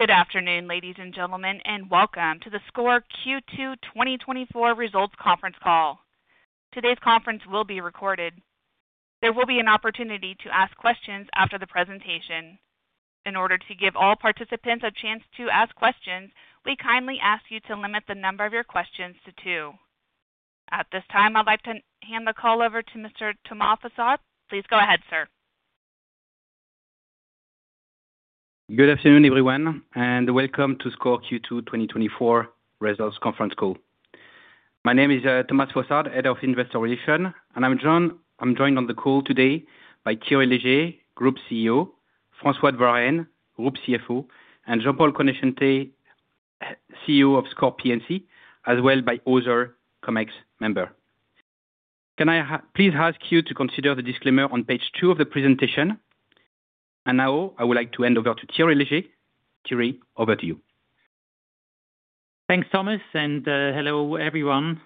Good afternoon, ladies and gentlemen, and welcome to the SCOR Q2 2024 Results Conference Call. Today's conference will be recorded. There will be an opportunity to ask questions after the presentation. In order to give all participants a chance to ask questions, we kindly ask you to limit the number of your questions to two. At this time, I'd like to hand the call over to Mr. Thomas Fossard. Please go ahead, sir. Good afternoon, everyone, and welcome to SCOR Q2 2024 Results Conference Call. My name is Thomas Fossard, Head of Investor Relations, and I'm joined on the call today by Thierry Léger, Group CEO, François de Varenne, Group CFO, and Jean-Paul Conoscente, CEO of SCOR P&C, as well by other Comex member. Can I please ask you to consider the disclaimer on page two of the presentation? Now I would like to hand over to Thierry Léger. Thierry, over to you. Thanks, Thomas, and hello, everyone.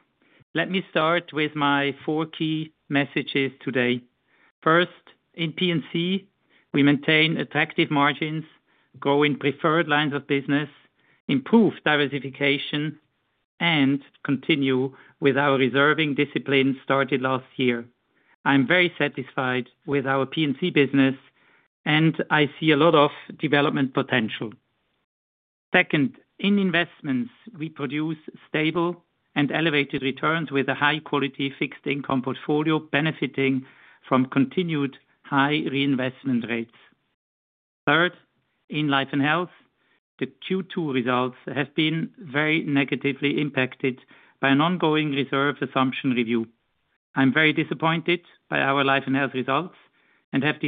Let me start with my four key messages today. First, in P&C, we maintain attractive margins, grow in preferred lines of business, improve diversification, and continue with our reserving discipline started last year. I'm very satisfied with our P&C business, and I see a lot of development potential. Second, in investments, we produce stable and elevated returns with a high quality fixed income portfolio, benefiting from continued high reinvestment rates. Third, in life and health, the Q2 results have been very negatively impacted by an ongoing reserve assumption review. I'm very disappointed by our life and health results and have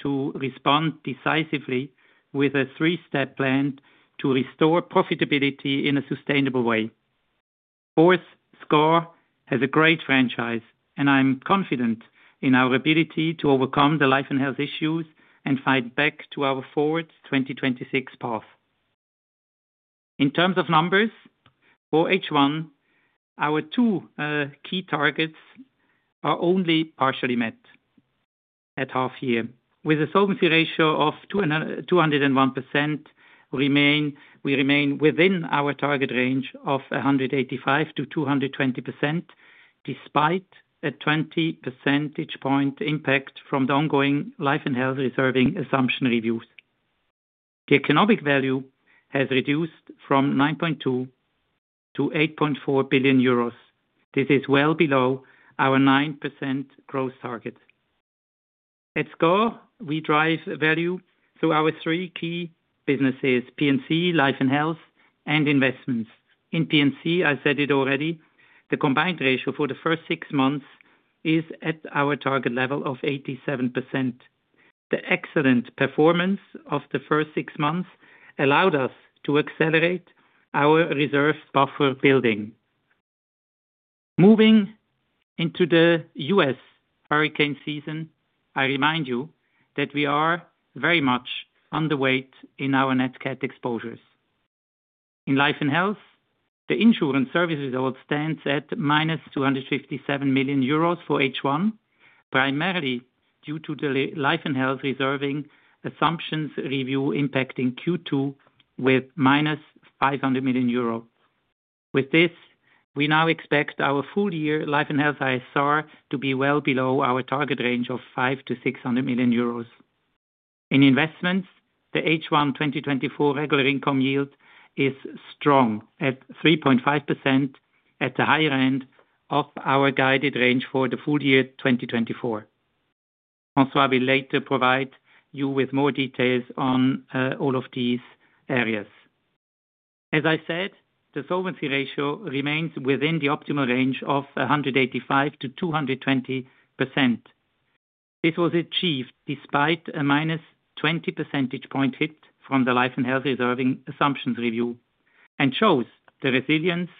decided to respond decisively with a three-step plan to restore profitability in a sustainable way. Fourth, SCOR has a great franchise, and I'm confident in our ability to overcome the life and health issues and fight back to our Forward 2026 path. In terms of numbers, for H1, our two key targets are only partially met at half year, with a solvency ratio of 201% remain. We remain within our target range of 185%-220%, despite a 20 percentage point impact from the ongoing life and health reserving assumption reviews. The economic value has reduced from 9.2 billion to 8.4 billion euros. This is well below our 9% growth target. At SCOR, we drive value through our three key businesses, P&C, life and health, and investments. In P&C, I said it already, the combined ratio for the first six months is at our target level of 87%. The excellent performance of the first six months allowed us to accelerate our reserve buffer building. Moving into the US hurricane season, I remind you that we are very much underweight in our Net Cat exposures. In life and health, the insurance service result stands at -257 million euros for H1, primarily due to the life and health reserving assumptions review impacting Q2 with -500 million euro. With this, we now expect our full year life and health ISR to be well below our target range of 500 million-600 million euros. In investments, the H1 2024 regular income yield is strong at 3.5%, at the higher end of our guided range for the full year 2024. Francois will later provide you with more details on all of these areas. As I said, the solvency ratio remains within the optimal range of 185%-220%. This was achieved despite a -20 percentage point hit from the life and health reserving assumptions review, and shows the resilience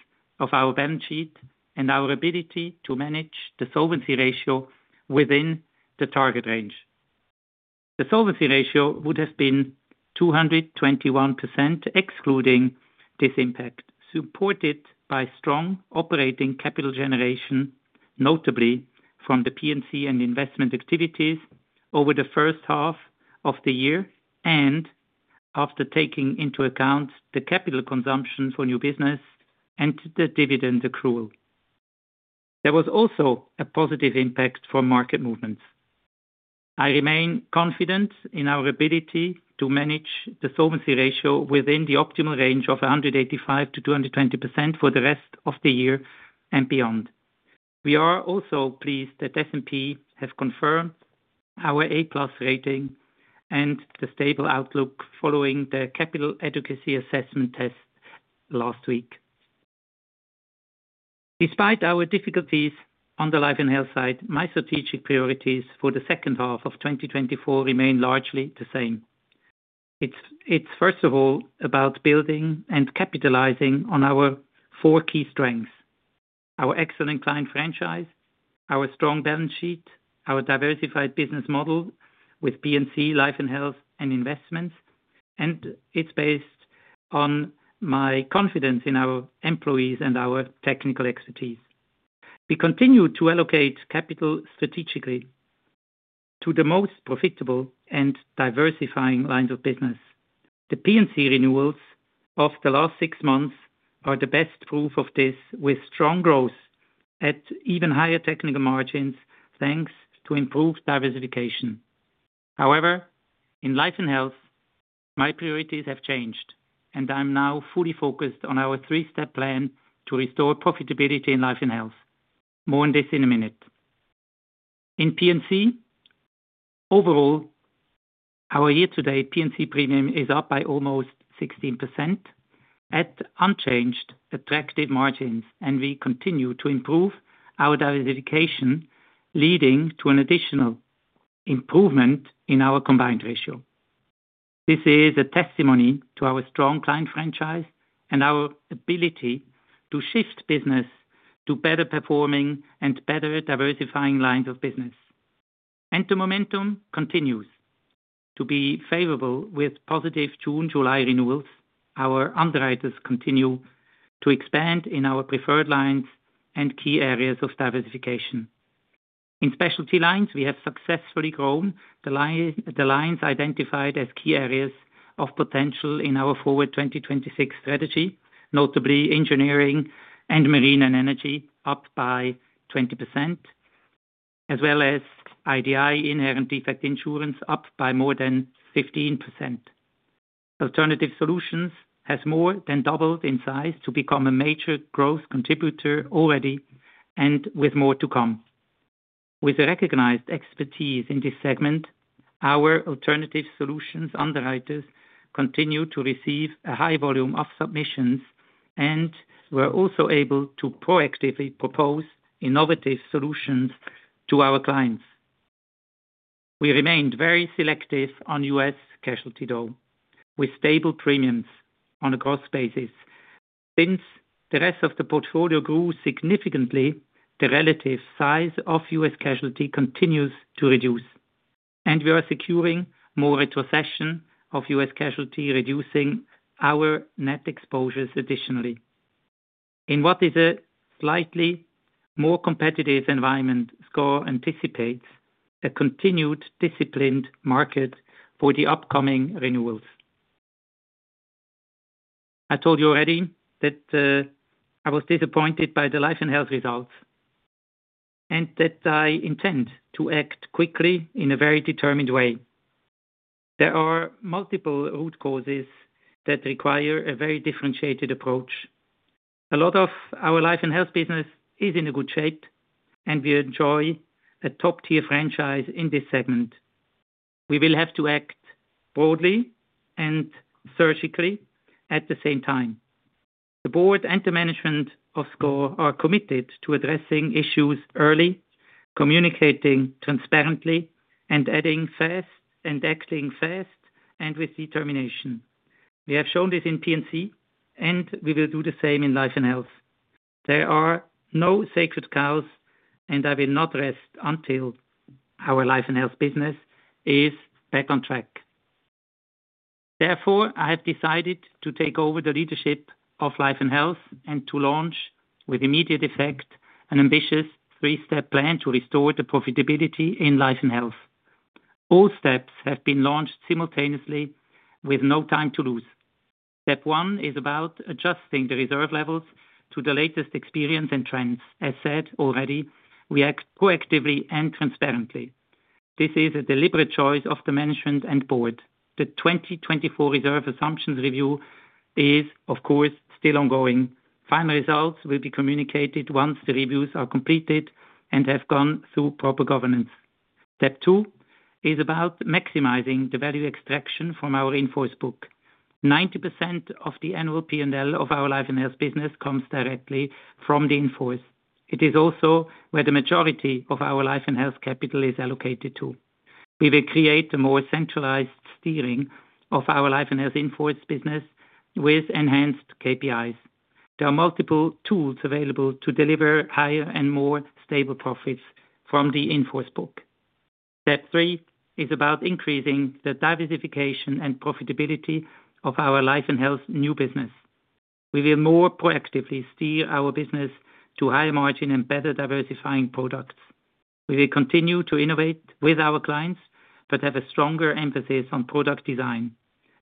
of our balance sheet and our ability to manage the solvency ratio within the target range. The solvency ratio would have been 221%, excluding this impact, supported by strong operating capital generation, notably from the P&C and investment activities over the first half of the year and after taking into account the capital consumption for new business and the dividend accrual. There was also a positive impact from market movements. I remain confident in our ability to manage the solvency ratio within the optimal range of 185%-220% for the rest of the year and beyond. We are also pleased that S&P have confirmed our A+ rating and the stable outlook following the Capital Adequacy Assessment test last week. Despite our difficulties on the life and health side, my strategic priorities for the second half of 2024 remain largely the same. It's first of all about building and capitalizing on our four key strengths: our excellent client franchise, our strong balance sheet, our diversified business model with P&C, life and health and investments, and it's based on my confidence in our employees and our technical expertise. We continue to allocate capital strategically to the most profitable and diversifying lines of business. The P&C renewals of the last six months are the best proof of this, with strong growth at even higher technical margins, thanks to improved diversification. However, in life and health, my priorities have changed, and I'm now fully focused on our three-step plan to restore profitability in life and health. More on this in a minute. In P&C, overall, our year-to-date P&C premium is up by almost 16% at unchanged attractive margins, and we continue to improve our diversification, leading to an additional improvement in our combined ratio. This is a testimony to our strong client franchise and our ability to shift business to better performing and better diversifying lines of business. The momentum continues to be favorable with positive June, July renewals. Our underwriters continue to expand in our preferred lines and key areas of diversification. In specialty lines, we have successfully grown the line, the lines identified as key areas of potential in our Forward 2026 strategy, notably engineering and marine and energy, up by 20%, as well as IDI, inherent defect insurance, up by more than 15%. Alternative solutions has more than doubled in size to become a major growth contributor already, and with more to come. With a recognized expertise in this segment, our alternative solutions underwriters continue to receive a high volume of submissions, and we're also able to proactively propose innovative solutions to our clients. We remained very selective on U.S. casualty, though, with stable premiums on a gross basis. Since the rest of the portfolio grew significantly, the relative size of U.S. casualty continues to reduce, and we are securing more retrocession of U.S. casualty, reducing our net exposures additionally. In what is a slightly more competitive environment, SCOR anticipates a continued disciplined market for the upcoming renewals. I told you already that, I was disappointed by the life and health results, and that I intend to act quickly in a very determined way. There are multiple root causes that require a very differentiated approach. A lot of our life and health business is in a good shape, and we enjoy a top-tier franchise in this segment. We will have to act broadly and surgically at the same time. The board and the management of SCOR are committed to addressing issues early, communicating transparently, and adding fast, and acting fast and with determination. We have shown this in P&C, and we will do the same in life and health. There are no sacred cows, and I will not rest until our life and health business is back on track. Therefore, I have decided to take over the leadership of life and health and to launch, with immediate effect, an ambitious three-step plan to restore the profitability in life and health. All steps have been launched simultaneously with no time to lose. Step one is about adjusting the reserve levels to the latest experience and trends. As said already, we act proactively and transparently. This is a deliberate choice of the management and board. The 2024 reserve assumptions review is, of course, still ongoing. Final results will be communicated once the reviews are completed and have gone through proper governance. Step two is about maximizing the value extraction from our in-force book. 90% of the annual P&L of our life and health business comes directly from the in-force. It is also where the majority of our life and health capital is allocated to. We will create a more centralized steering of our life and health in-force business with enhanced KPIs. There are multiple tools available to deliver higher and more stable profits from the in-force book. Step three is about increasing the diversification and profitability of our life and health new business. We will more proactively steer our business to higher margin and better diversifying products. We will continue to innovate with our clients, but have a stronger emphasis on product design.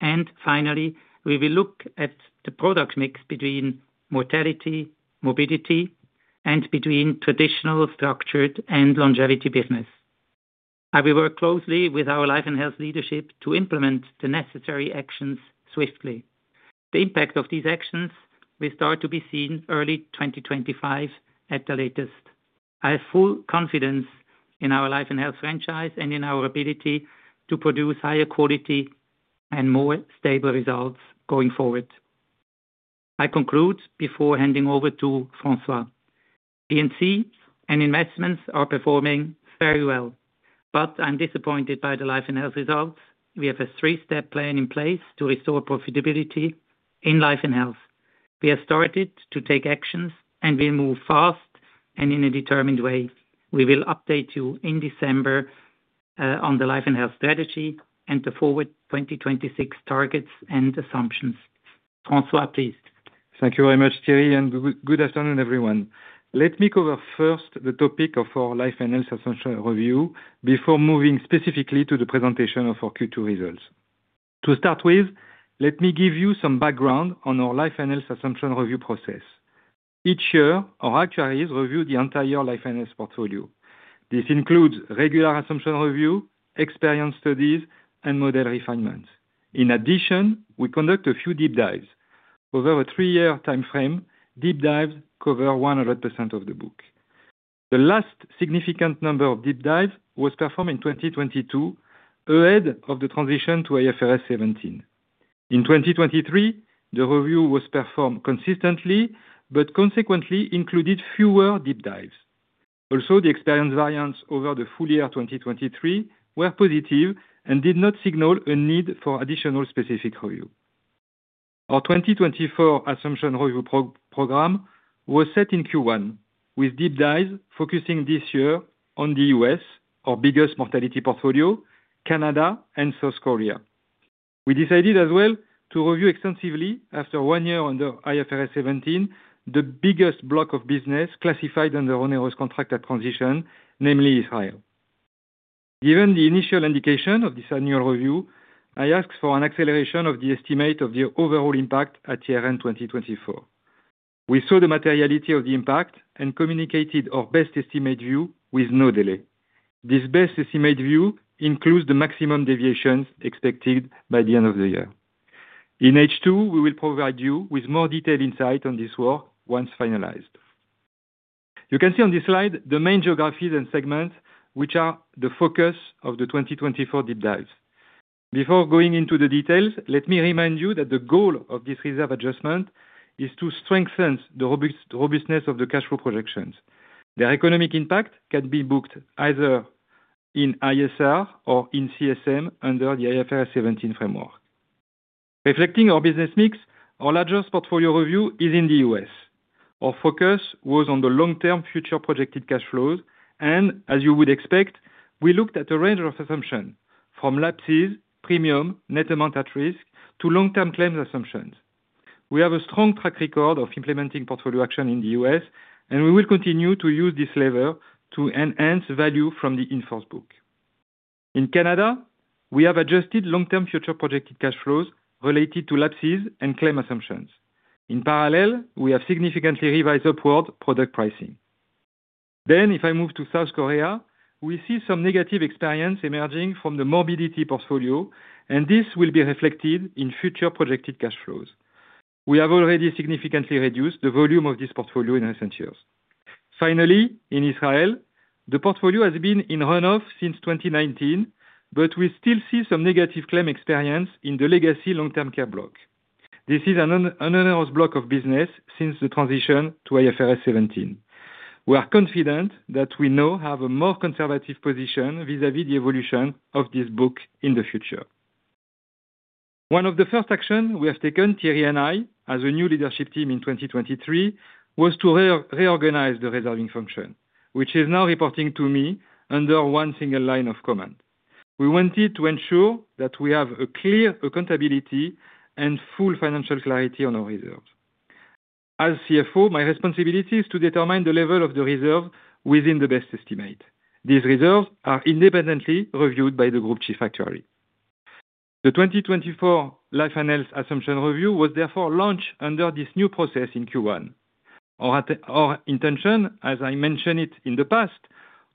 And finally, we will look at the product mix between mortality, morbidity, and between traditional, structured, and longevity business. I will work closely with our life and health leadership to implement the necessary actions swiftly. The impact of these actions will start to be seen early 2025 at the latest. I have full confidence in our life and health franchise and in our ability to produce higher quality and more stable results going forward. I conclude before handing over to Francois. P&C and investments are performing very well, but I'm disappointed by the life and health results. We have a three-step plan in place to restore profitability in life and health. We have started to take actions, and we move fast and in a determined way. We will update you in December on the life and health strategy and the Forward 2026 targets and assumptions.... Francois, please. Thank you very much, Thierry, and good afternoon, everyone. Let me cover first the topic of our life and health assumption review before moving specifically to the presentation of our Q2 results. To start with, let me give you some background on our life and health assumption review process. Each year, our actuaries review the entire life and health portfolio. This includes regular assumption review, experience studies, and model refinements. In addition, we conduct a few deep dives. Over a three-year timeframe, deep dives cover 100% of the book. The last significant number of deep dive was performed in 2022, ahead of the transition to IFRS 17. In 2023, the review was performed consistently, but consequently included fewer deep dives. Also, the experience variance over the full year 2023 were positive and did not signal a need for additional specific review. Our 2024 assumption review program was set in Q1, with deep dives focusing this year on the U.S., our biggest mortality portfolio, Canada and South Korea. We decided as well to review extensively, after one year under IFRS 17, the biggest block of business classified under onerous contract or transition, namely Israel. Given the initial indication of this annual review, I asked for an acceleration of the estimate of the overall impact at year-end 2024. We saw the materiality of the impact and communicated our best estimate view with no delay. This best estimate view includes the maximum deviations expected by the end of the year. In H2, we will provide you with more detailed insight on this work once finalized. You can see on this slide the main geographies and segments, which are the focus of the 2024 deep dives. Before going into the details, let me remind you that the goal of this reserve adjustment is to strengthen the robustness of the cash flow projections. The economic impact can be booked either in ISR or in CSM under the IFRS 17 framework. Reflecting our business mix, our largest portfolio review is in the U.S. Our focus was on the long-term future projected cash flows, and as you would expect, we looked at a range of assumptions from lapses, premiums, net amount at risk, to long-term claims assumptions. We have a strong track record of implementing portfolio action in the U.S., and we will continue to use this lever to enhance value from the in-force book. In Canada, we have adjusted long-term future projected cash flows related to lapses and claims assumptions. In parallel, we have significantly revised upward product pricing. Then, if I move to South Korea, we see some negative experience emerging from the morbidity portfolio, and this will be reflected in future projected cash flows. We have already significantly reduced the volume of this portfolio in recent years. Finally, in Israel, the portfolio has been in runoff since 2019, but we still see some negative claim experience in the legacy long-term care block. This is an onerous block of business since the transition to IFRS 17. We are confident that we now have a more conservative position vis-a-vis the evolution of this book in the future. One of the first action we have taken, Thierry and I, as a new leadership team in 2023, was to reorganize the reserving function, which is now reporting to me under one single line of command. We wanted to ensure that we have a clear accountability and full financial clarity on our reserves. As CFO, my responsibility is to determine the level of the reserve within the best estimate. These reserves are independently reviewed by the group chief actuary. The 2024 life and health assumption review was therefore launched under this new process in Q1. Our intention, as I mentioned it in the past,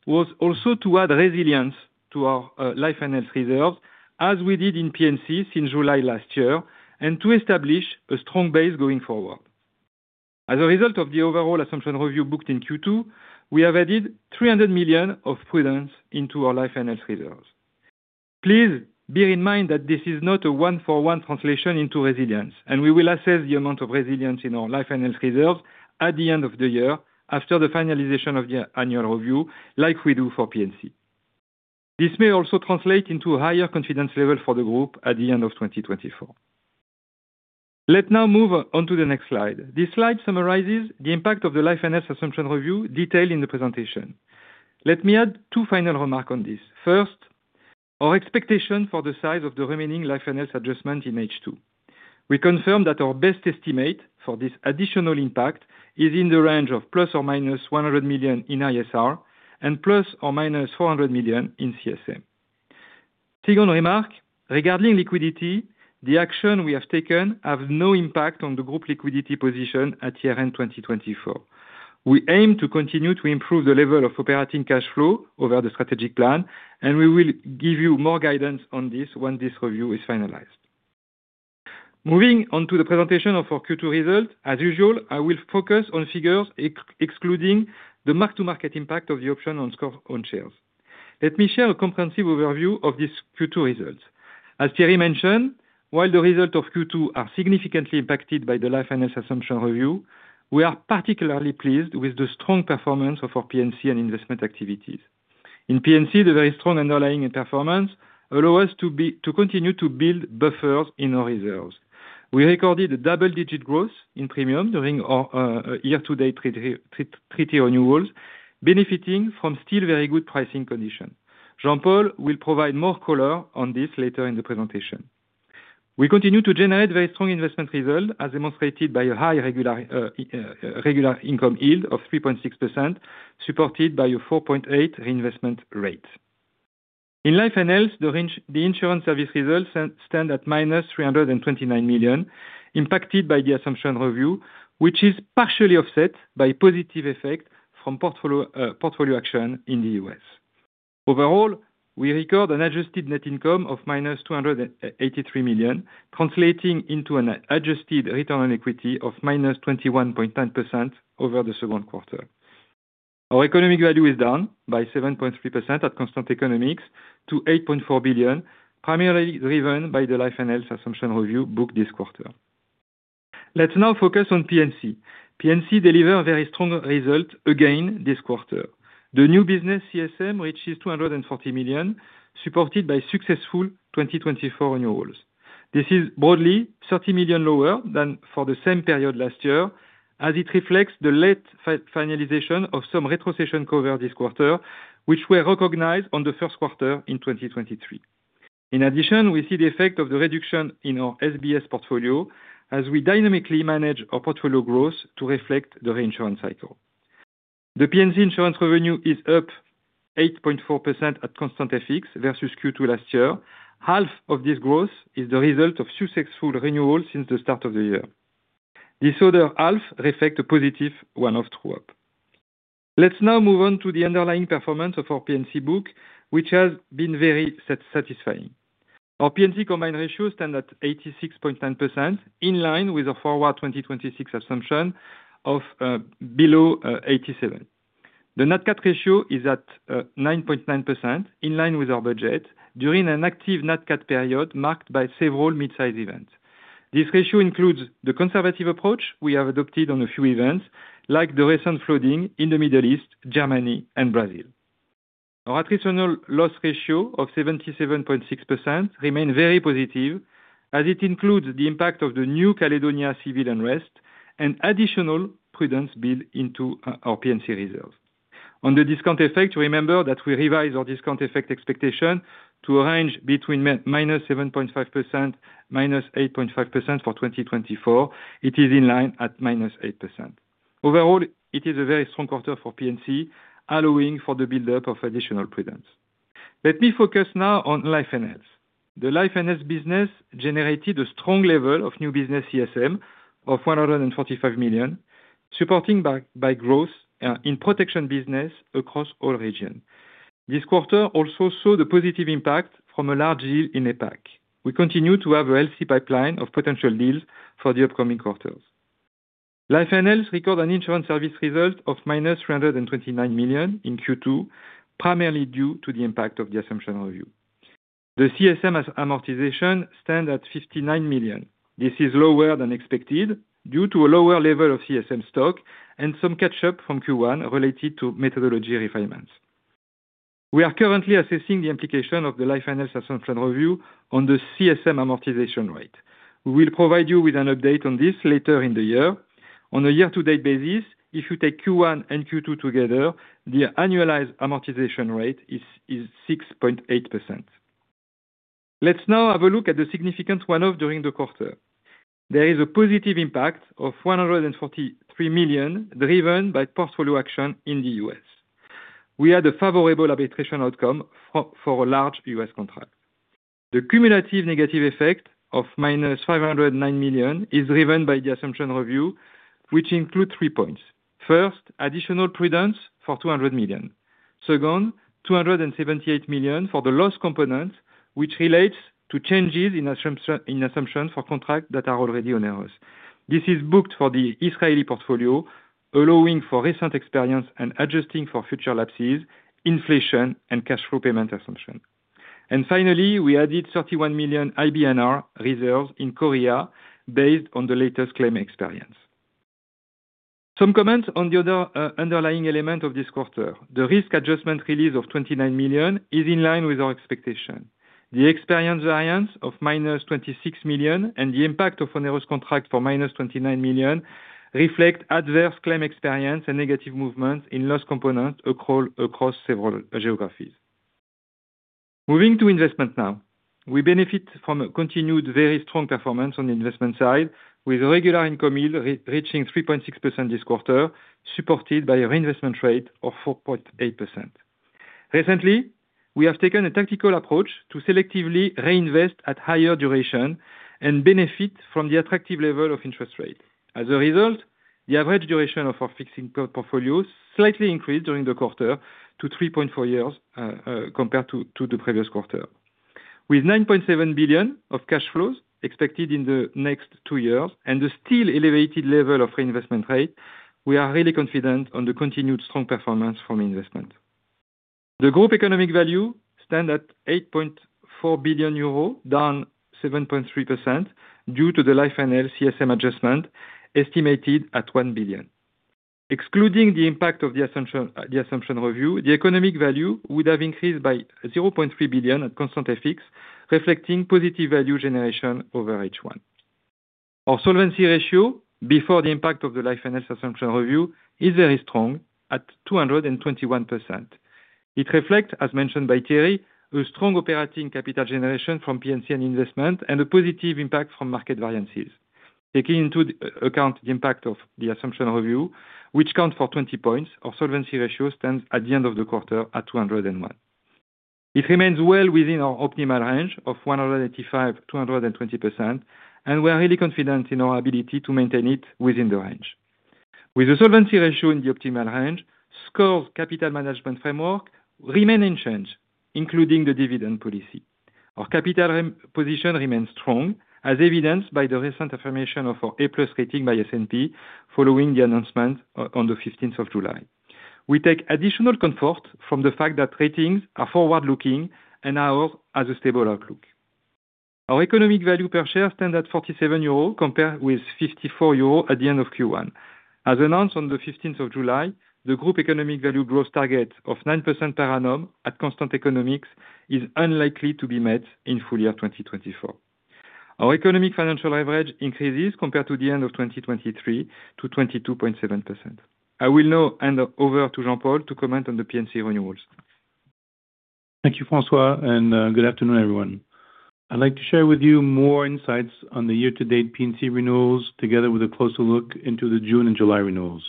was also to add resilience to our life and health reserves, as we did in P&C since July last year, and to establish a strong base going forward. As a result of the overall assumption review booked in Q2, we have added 300 million of prudence into our life and health reserves. Please bear in mind that this is not a one-for-one translation into resilience, and we will assess the amount of resilience in our life and health reserves at the end of the year, after the finalization of the annual review, like we do for P&C. This may also translate into a higher confidence level for the group at the end of 2024. Let's now move on to the next slide. This slide summarizes the impact of the life and health assumption review detailed in the presentation. Let me add two final remarks on this. First, our expectation for the size of the remaining life and health adjustment in H2. We confirm that our best estimate for this additional impact is in the range of ±100 million in ISR and ±400 million in CSM. Second remark, regarding liquidity, the actions we have taken have no impact on the group liquidity position at year-end 2024. We aim to continue to improve the level of operating cash flow over the strategic plan, and we will give you more guidance on this once this review is finalized. Moving on to the presentation of our Q2 results. As usual, I will focus on figures excluding the mark-to-market impact of the option on SCOR own shares. Let me share a comprehensive overview of these Q2 results. As Thierry mentioned, while the results of Q2 are significantly impacted by the life and health assumption review, we are particularly pleased with the strong performance of our P&C and investment activities. In P&C, the very strong underlying performance allows us to continue to build buffers in our reserves. We recorded a double-digit growth in premium during our year-to-date treaty renewals, benefiting from still very good pricing conditions. Jean-Paul will provide more color on this later in the presentation. We continue to generate very strong investment results, as demonstrated by a high regular income yield of 3.6%, supported by a 4.8% reinvestment rate. In life and health, the insurance service results stand at -329 million, impacted by the assumption review, which is partially offset by positive effect from portfolio action in the U.S. Overall, we record an adjusted net income of -283 million, translating into an adjusted return on equity of -21.10% over the second quarter. Our economic value is down by 7.3% at constant economics to 8.4 billion, primarily driven by the life and health assumption review book this quarter. Let's now focus on P&C. P&C deliver very strong result again this quarter. The new business CSM, which is 240 million, supported by successful 2024 renewals. This is broadly 30 million lower than for the same period last year, as it reflects the late finalization of some retrocession cover this quarter, which were recognized on the first quarter in 2023. In addition, we see the effect of the reduction in our SBS portfolio as we dynamically manage our portfolio growth to reflect the reinsurance cycle. The P&C insurance revenue is up 8.4% at constant FX versus Q2 last year. Half of this growth is the result of successful renewals since the start of the year. This other half reflect a positive one-off true-up. Let's now move on to the underlying performance of our P&C book, which has been very satisfying. Our P&C combined ratio stand at 86.9%, in line with the forward 2026 assumption of below 87. The net cat ratio is at 9.9%, in line with our budget, during an active net cat period marked by several mid-size events. This ratio includes the conservative approach we have adopted on a few events, like the recent flooding in the Middle East, Germany and Brazil. Our attritional loss ratio of 77.6% remain very positive, as it includes the impact of the New Caledonia civil unrest and additional prudence built into our P&C reserves. On the discount effect, remember that we revised our discount effect expectation to a range between -7.5% and -8.5% for 2024. It is in line at -8%. Overall, it is a very strong quarter for P&C, allowing for the build-up of additional prudence. Let me focus now on life and health. The life and health business generated a strong level of new business CSM of 145 million, supporting by growth in protection business across all region. This quarter also saw the positive impact from a large deal in APAC. We continue to have a healthy pipeline of potential deals for the upcoming quarters. Life and health record an insurance service result of -329 million in Q2, primarily due to the impact of the assumption review. The CSM amortization stands at 59 million. This is lower than expected, due to a lower level of CSM stock and some catch-up from Q1 related to methodology refinements. We are currently assessing the implication of the life and health assumption review on the CSM amortization rate. We will provide you with an update on this later in the year. On a year-to-date basis, if you take Q1 and Q2 together, the annualized amortization rate is 6.8%. Let's now have a look at the significant one-off during the quarter. There is a positive impact of 143 million, driven by portfolio action in the U.S. We had a favorable arbitration outcome for a large U.S. contract. The cumulative negative effect of -509 million is driven by the assumption review, which includes three points. First, additional prudence for 200 million. Second, 278 million for the loss component, which relates to changes in assumptions for contracts that are already on ours. This is booked for the Israeli portfolio, allowing for recent experience and adjusting for future lapses, inflation, and cash flow payment assumption. And finally, we added 31 million IBNR reserves in Korea based on the latest claim experience. Some comments on the other underlying element of this quarter. The risk adjustment release of 29 million is in line with our expectation. The experience variance of -26 million and the impact of onerous contract for -29 million reflect adverse claim experience and negative movement in loss component across several geographies. Moving to investment now. We benefit from a continued very strong performance on the investment side, with regular income yield reaching 3.6% this quarter, supported by a reinvestment rate of 4.8%. Recently, we have taken a tactical approach to selectively reinvest at higher duration and benefit from the attractive level of interest rate. As a result, the average duration of our fixed income portfolios slightly increased during the quarter to 3.4 years, compared to the previous quarter. With 9.7 billion of cash flows expected in the next two years and the still elevated level of reinvestment rate, we are really confident on the continued strong performance from investment. The group economic value stands at 8.4 billion euros, down 7.3%, due to the life and health CSM adjustment, estimated at 1 billion. Excluding the impact of the assumption review, the economic value would have increased by 0.3 billion at constant FX, reflecting positive value generation over H1. Our solvency ratio, before the impact of the life and health assumption review, is very strong at 221%. It reflects, as mentioned by Thierry, a strong operating capital generation from P&C and investment, and a positive impact from market variances. Taking into account the impact of the assumption review, which accounts for 20 points, our solvency ratio stands at the end of the quarter at 201%. It remains well within our optimal range of 185%-220%, and we are really confident in our ability to maintain it within the range. With the solvency ratio in the optimal range, SCOR's capital management framework remain unchanged, including the dividend policy. Our capital reposition remains strong, as evidenced by the recent affirmation of our A+ rating by S&P following the announcement on the fifteenth of July. We take additional comfort from the fact that ratings are forward-looking and ours has a stable outlook. Our economic value per share stands at 47 euros, compared with 54 euros at the end of Q1. As announced on the fifteenth of July, the group economic value growth target of 9% per annum at constant economics is unlikely to be met in full year 2024. Our economic financial leverage increases compared to the end of 2023 to 22.7%. I will now hand over to Jean-Paul to comment on the P&C renewals. Thank you, Francois, and good afternoon, everyone. I'd like to share with you more insights on the year-to-date P&C renewals, together with a closer look into the June and July renewals.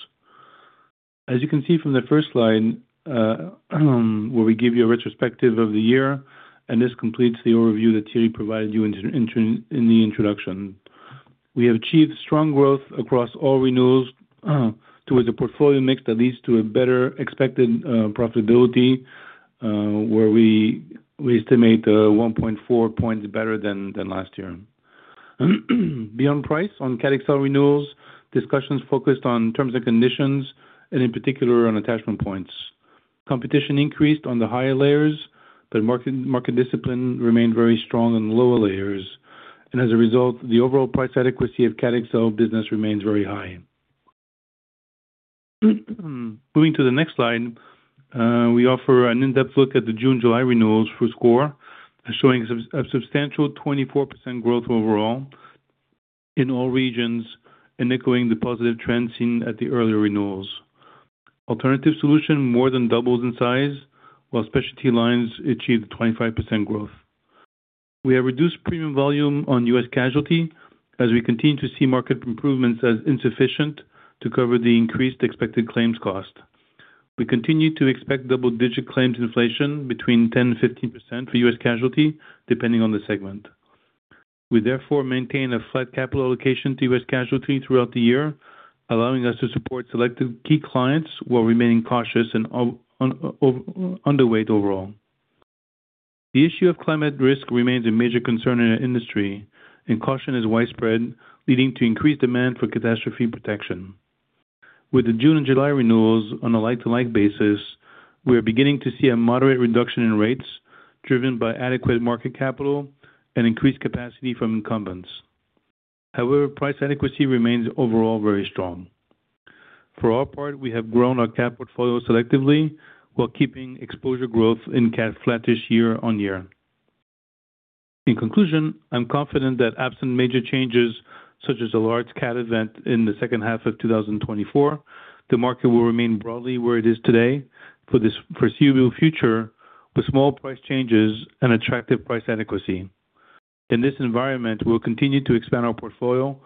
As you can see from the first slide, where we give you a retrospective of the year, and this completes the overview that Thierry provided you in the introduction. We have achieved strong growth across all renewals, towards a portfolio mix that leads to a better expected profitability, where we estimate 1.4 points better than last year. Beyond price, on cat XL renewals, discussions focused on terms and conditions, and in particular, on attachment points. Competition increased on the higher layers, but market discipline remained very strong on the lower layers, and as a result, the overall price adequacy of cat XL business remains very high. Moving to the next slide, we offer an in-depth look at the June, July renewals for SCOR, showing a substantial 24% growth overall in all regions and echoing the positive trends seen at the earlier renewals. Alternative solution more than doubles in size, while specialty lines achieved 25% growth. We have reduced premium volume on U.S. casualty as we continue to see market improvements as insufficient to cover the increased expected claims cost. We continue to expect double-digit claims inflation between 10% and 15% for U.S. casualty, depending on the segment. We therefore maintain a flat capital allocation to U.S. casualty throughout the year, allowing us to support selected key clients while remaining cautious and over-underweight overall. The issue of climate risk remains a major concern in our industry, and caution is widespread, leading to increased demand for catastrophe protection. With the June and July renewals on a like-to-like basis, we are beginning to see a moderate reduction in rates driven by adequate market capital and increased capacity from incumbents. However, price adequacy remains overall very strong. For our part, we have grown our cat portfolio selectively while keeping exposure growth in cat flat-ish year-on-year. In conclusion, I'm confident that absent major changes, such as a large cat event in the second half of 2024, the market will remain broadly where it is today for this foreseeable future, with small price changes and attractive price adequacy. In this environment, we'll continue to expand our portfolio,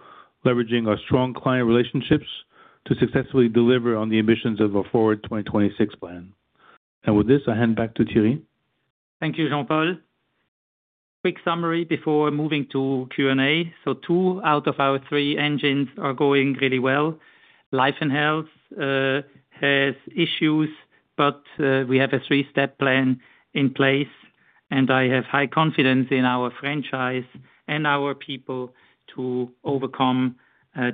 leveraging our strong client relationships to successfully deliver on the ambitions of our Forward 2026 plan. With this, I hand back to Thierry. Thank you, Jean-Paul. Quick summary before moving to Q&A. So two out of our three engines are going really well. Life and health has issues, but we have a three-step plan in place, and I have high confidence in our franchise and our people to overcome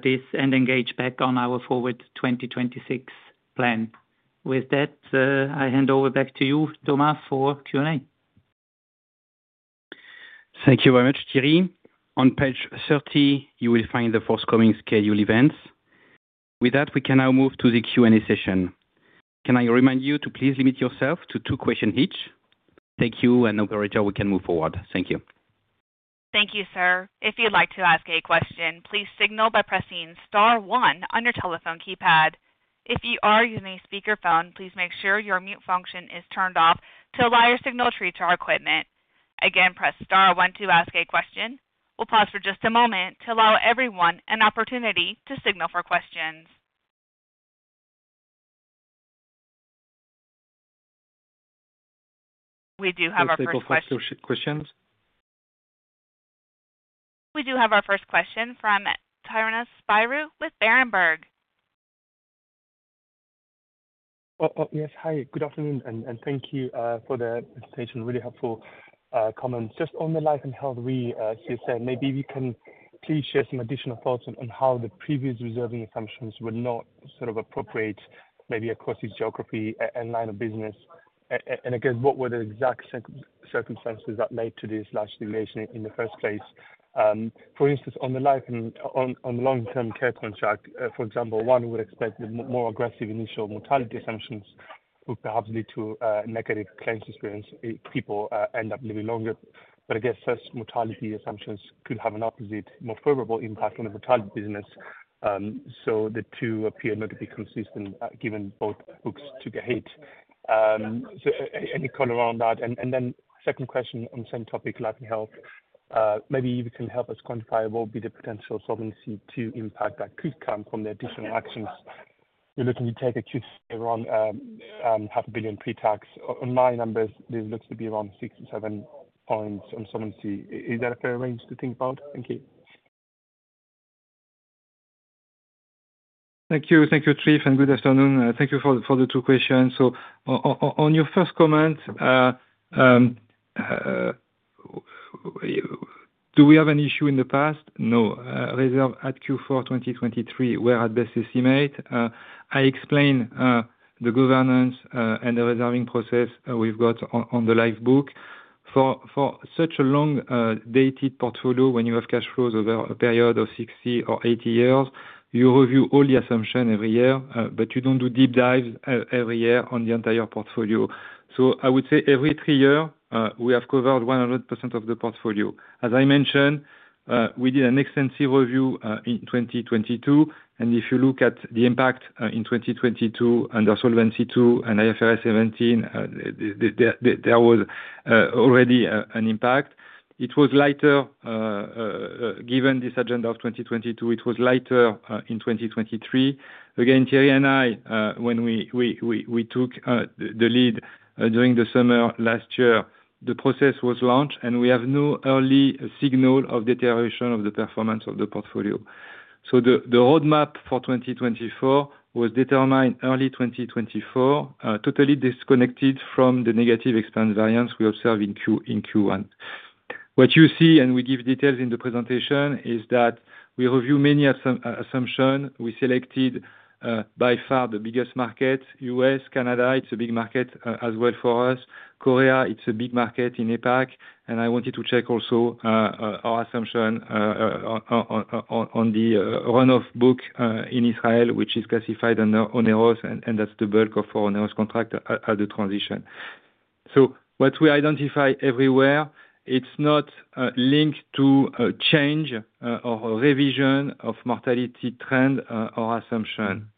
this and engage back on our Forward 2026 plan. With that, I hand over back to you, Thomas, for Q&A. Thank you very much, Thierry. On page 30, you will find the forthcoming scheduled events. With that, we can now move to the Q&A session. Can I remind you to please limit yourself to two questions each? Thank you, and operator, we can move forward. Thank you. Thank you, sir. If you'd like to ask a question, please signal by pressing star one on your telephone keypad. If you are using a speakerphone, please make sure your mute function is turned off to allow your signal to reach our equipment. Again, press star one to ask a question. We'll pause for just a moment to allow everyone an opportunity to signal for questions. We do have our first question- First question? We do have our first question from Tyrone Spyrou with Berenberg. Yes, hi, good afternoon, and thank you for the presentation. Really helpful comments. Just on the life and health re, you said, maybe you can please share some additional thoughts on how the previous reserving assumptions were not sort of appropriate, maybe across each geography and line of business. And, again, what were the exact circumstances that led to this large deviation in the first place? For instance, on the life and on the long-term care contract, for example, one would expect the more aggressive initial mortality assumptions.... would perhaps lead to negative claims experience if people end up living longer. But I guess first mortality assumptions could have an opposite, more favorable impact on the mortality business. So the two appear not to be consistent, given both hooked to the HALE. So any color around that? And then second question on the same topic, life and health. Maybe you can help us quantify what will be the potential solvency impact that could come from the additional actions you're looking to take, accruing around 500 million pre-tax. On my numbers, this looks to be around 6 or 7 points on solvency. Is that a fair range to think about? Thank you. Thank you. Thank you, Tryf, and good afternoon. Thank you for the two questions. So on your first comment, do we have an issue in the past? No. Reserve at Q4 2023, we're at best estimate. I explained the governance and the reserving process we've got on the live book. For such a long dated portfolio, when you have cash flows over a period of 60 or 80 years, you review all the assumption every year, but you don't do deep dives every year on the entire portfolio. So I would say every 3 year, we have covered 100% of the portfolio. As I mentioned, we did an extensive review in 2022, and if you look at the impact in 2022 under Solvency II and IFRS 17, the there was already an impact. It was lighter given this agenda of 2022, it was lighter in 2023. Again, Thierry and I when we took the lead during the summer of last year, the process was launched, and we have no early signal of deterioration of the performance of the portfolio. So the roadmap for 2024 was determined early 2024, totally disconnected from the negative expense variance we observed in Q1. What you see, and we give details in the presentation, is that we review many assumptions. We selected, by far the biggest market, US, Canada, it's a big market, as well for us. Korea, it's a big market in APAC, and I wanted to check also, our assumption on the runoff book in Israel, which is classified under OneHealth, and that's the bulk of our OneHealth contract at the transition. So what we identify everywhere, it's not linked to a change or a revision of mortality trend or assumption.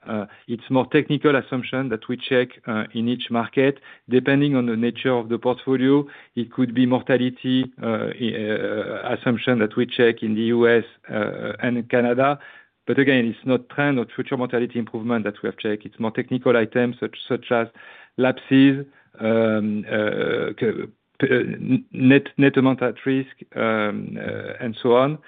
It's more technical assumption that we check in each market. Depending on the nature of the portfolio, it could be mortality assumption that we check in the US and in Canada. But again, it's not trend or future mortality improvement that we have checked. It's more technical items, such as lapses, net amount at risk, and so on.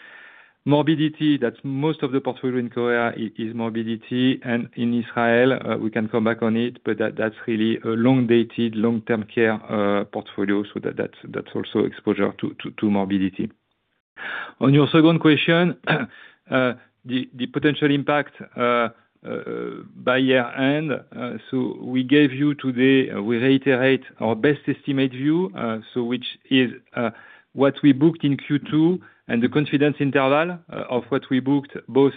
Morbidity, that's most of the portfolio in Korea is morbidity, and in Israel, we can come back on it, but that's really a long-dated, long-term care portfolio. So that's also exposure to morbidity. On your second question, the potential impact by year end, so we gave you today, we reiterate our best estimate view, so which is what we booked in Q2 and the confidence interval of what we booked both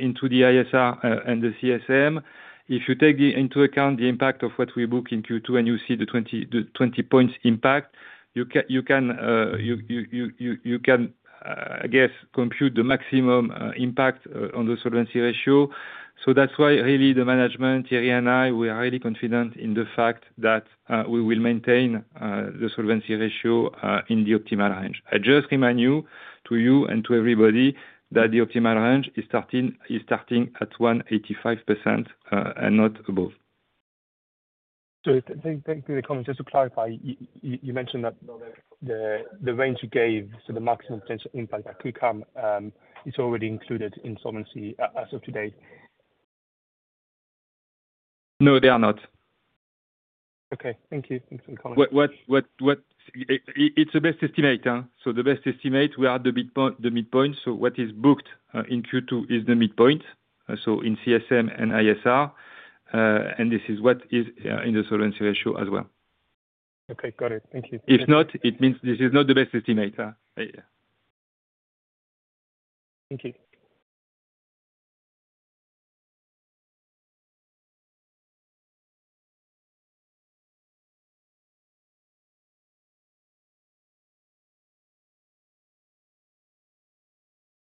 into the ISR and the CSM. If you take into account the impact of what we book in Q2 and you see the 20, the 20 points impact, you can, I guess, compute the maximum impact on the solvency ratio. So that's why really the management, Thierry and I, we are really confident in the fact that, we will maintain the solvency ratio in the optimal range. I just remind you, to you and to everybody, that the optimal range is starting at 185%, and not above. So thank you for the comment. Just to clarify, you mentioned that the range you gave, so the maximum potential impact that could come, is already included in Solvency II, as of today? No, they are not. Okay, thank you. Thanks for the comment. It's the best estimate, so the best estimate. We are at the midpoint. So what is booked in Q2 is the midpoint, so in CSM and ISR, and this is what is in the Solvency Ratio as well. Okay, got it. Thank you. If not, it means this is not the best estimate, yeah. Thank you.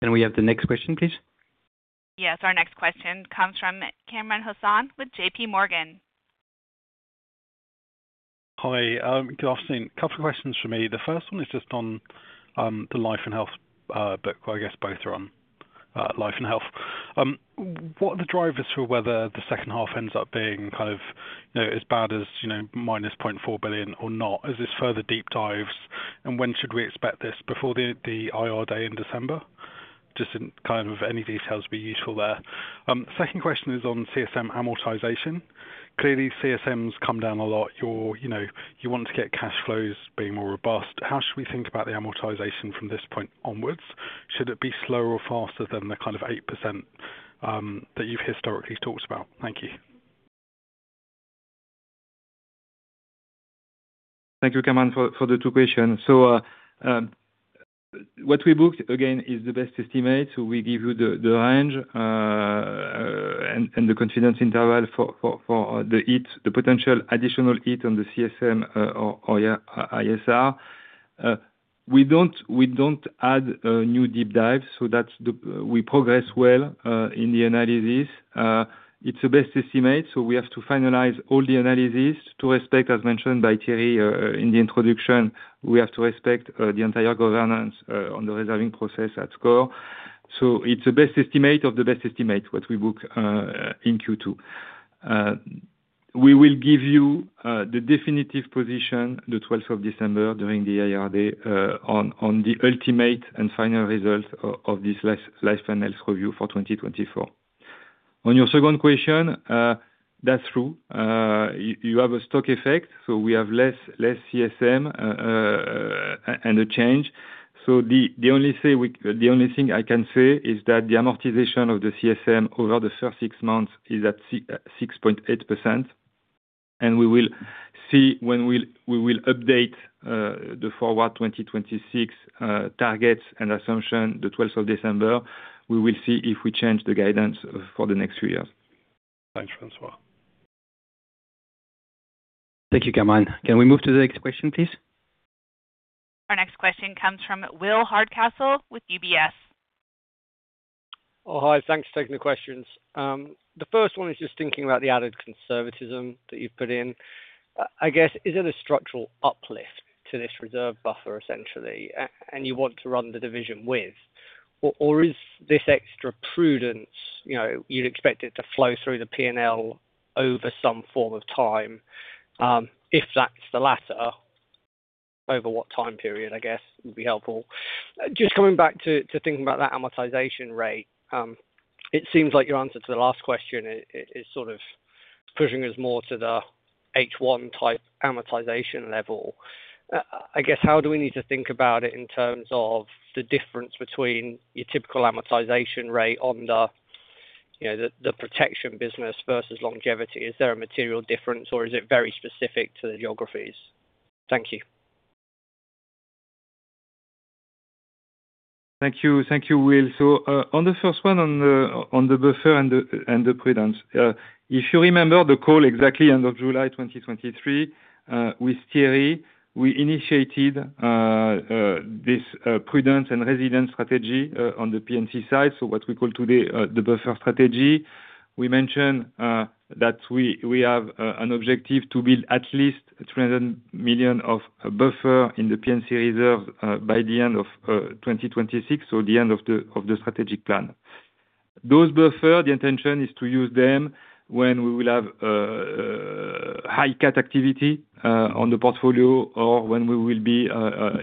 Can we have the next question, please? Yes, our next question comes from Cameron Hassan with JP Morgan. Hi, good afternoon. Couple of questions from me. The first one is just on, the life and health, book, or I guess both are on, life and health. What are the drivers for whether the second half ends up being kind of, you know, as bad as, you know, -0.4 billion or not? Is this further deep dives, and when should we expect this, before the, the IR day in December? Just in kind of any details would be useful there. Second question is on CSM amortization. Clearly, CSMs come down a lot. You're, you know, you want to get cash flows being more robust. How should we think about the amortization from this point onwards? Should it be slower or faster than the kind of 8%, that you've historically talked about? Thank you.... Thank you, Cameron, for the two questions. So, what we booked again is the best estimate, so we give you the range and the confidence interval for the heat, the potential additional heat on the CSM, or yeah, ISR. We don't add new deep dive, so that's the- we progress well in the analysis. It's the best estimate, so we have to finalize all the analysis to expect, as mentioned by Thierry in the introduction, we have to respect the entire governance on the reserving process at SCOR. So it's the best estimate of the best estimate what we book in Q2. We will give you the definitive position the twelfth of December, during the IR day, on the ultimate and final result of this life and health review for 2024. On your second question, that's true. You have a stock effect, so we have less CSM and a change. So the only thing I can say is that the amortization of the CSM over the first six months is at 6.8%, and we will see when we will update the Forward 2026 targets and assumption, the twelfth of December. We will see if we change the guidance for the next few years. Thanks, Francois. Thank you, Cameron. Can we move to the next question, please? Our next question comes from Will Hardcastle with UBS. Oh, hi, thanks for taking the questions. The first one is just thinking about the added conservatism that you've put in. I guess, is it a structural uplift to this reserve buffer, essentially, and you want to run the division with? Or, is this extra prudence, you know, you'd expect it to flow through the P&L over some form of time? If that's the latter, over what time period, I guess, would be helpful. Just coming back to thinking about that amortization rate, it seems like your answer to the last question is sort of pushing us more to the H1 type amortization level. I guess, how do we need to think about it in terms of the difference between your typical amortization rate on the, you know, the protection business versus longevity? Is there a material difference or is it very specific to the geographies? Thank you. Thank you. Thank you, Will. So, on the first one, on the buffer and the prudence, if you remember the call exactly end of July 2023, with Thierry, we initiated this prudence and resilience strategy, on the P&C side, so what we call today the buffer strategy. We mentioned that we have an objective to build at least 300 million of buffer in the P&C reserve, by the end of 2026, or the end of the strategic plan. Those buffer, the intention is to use them when we will have high cat activity on the portfolio or when we will be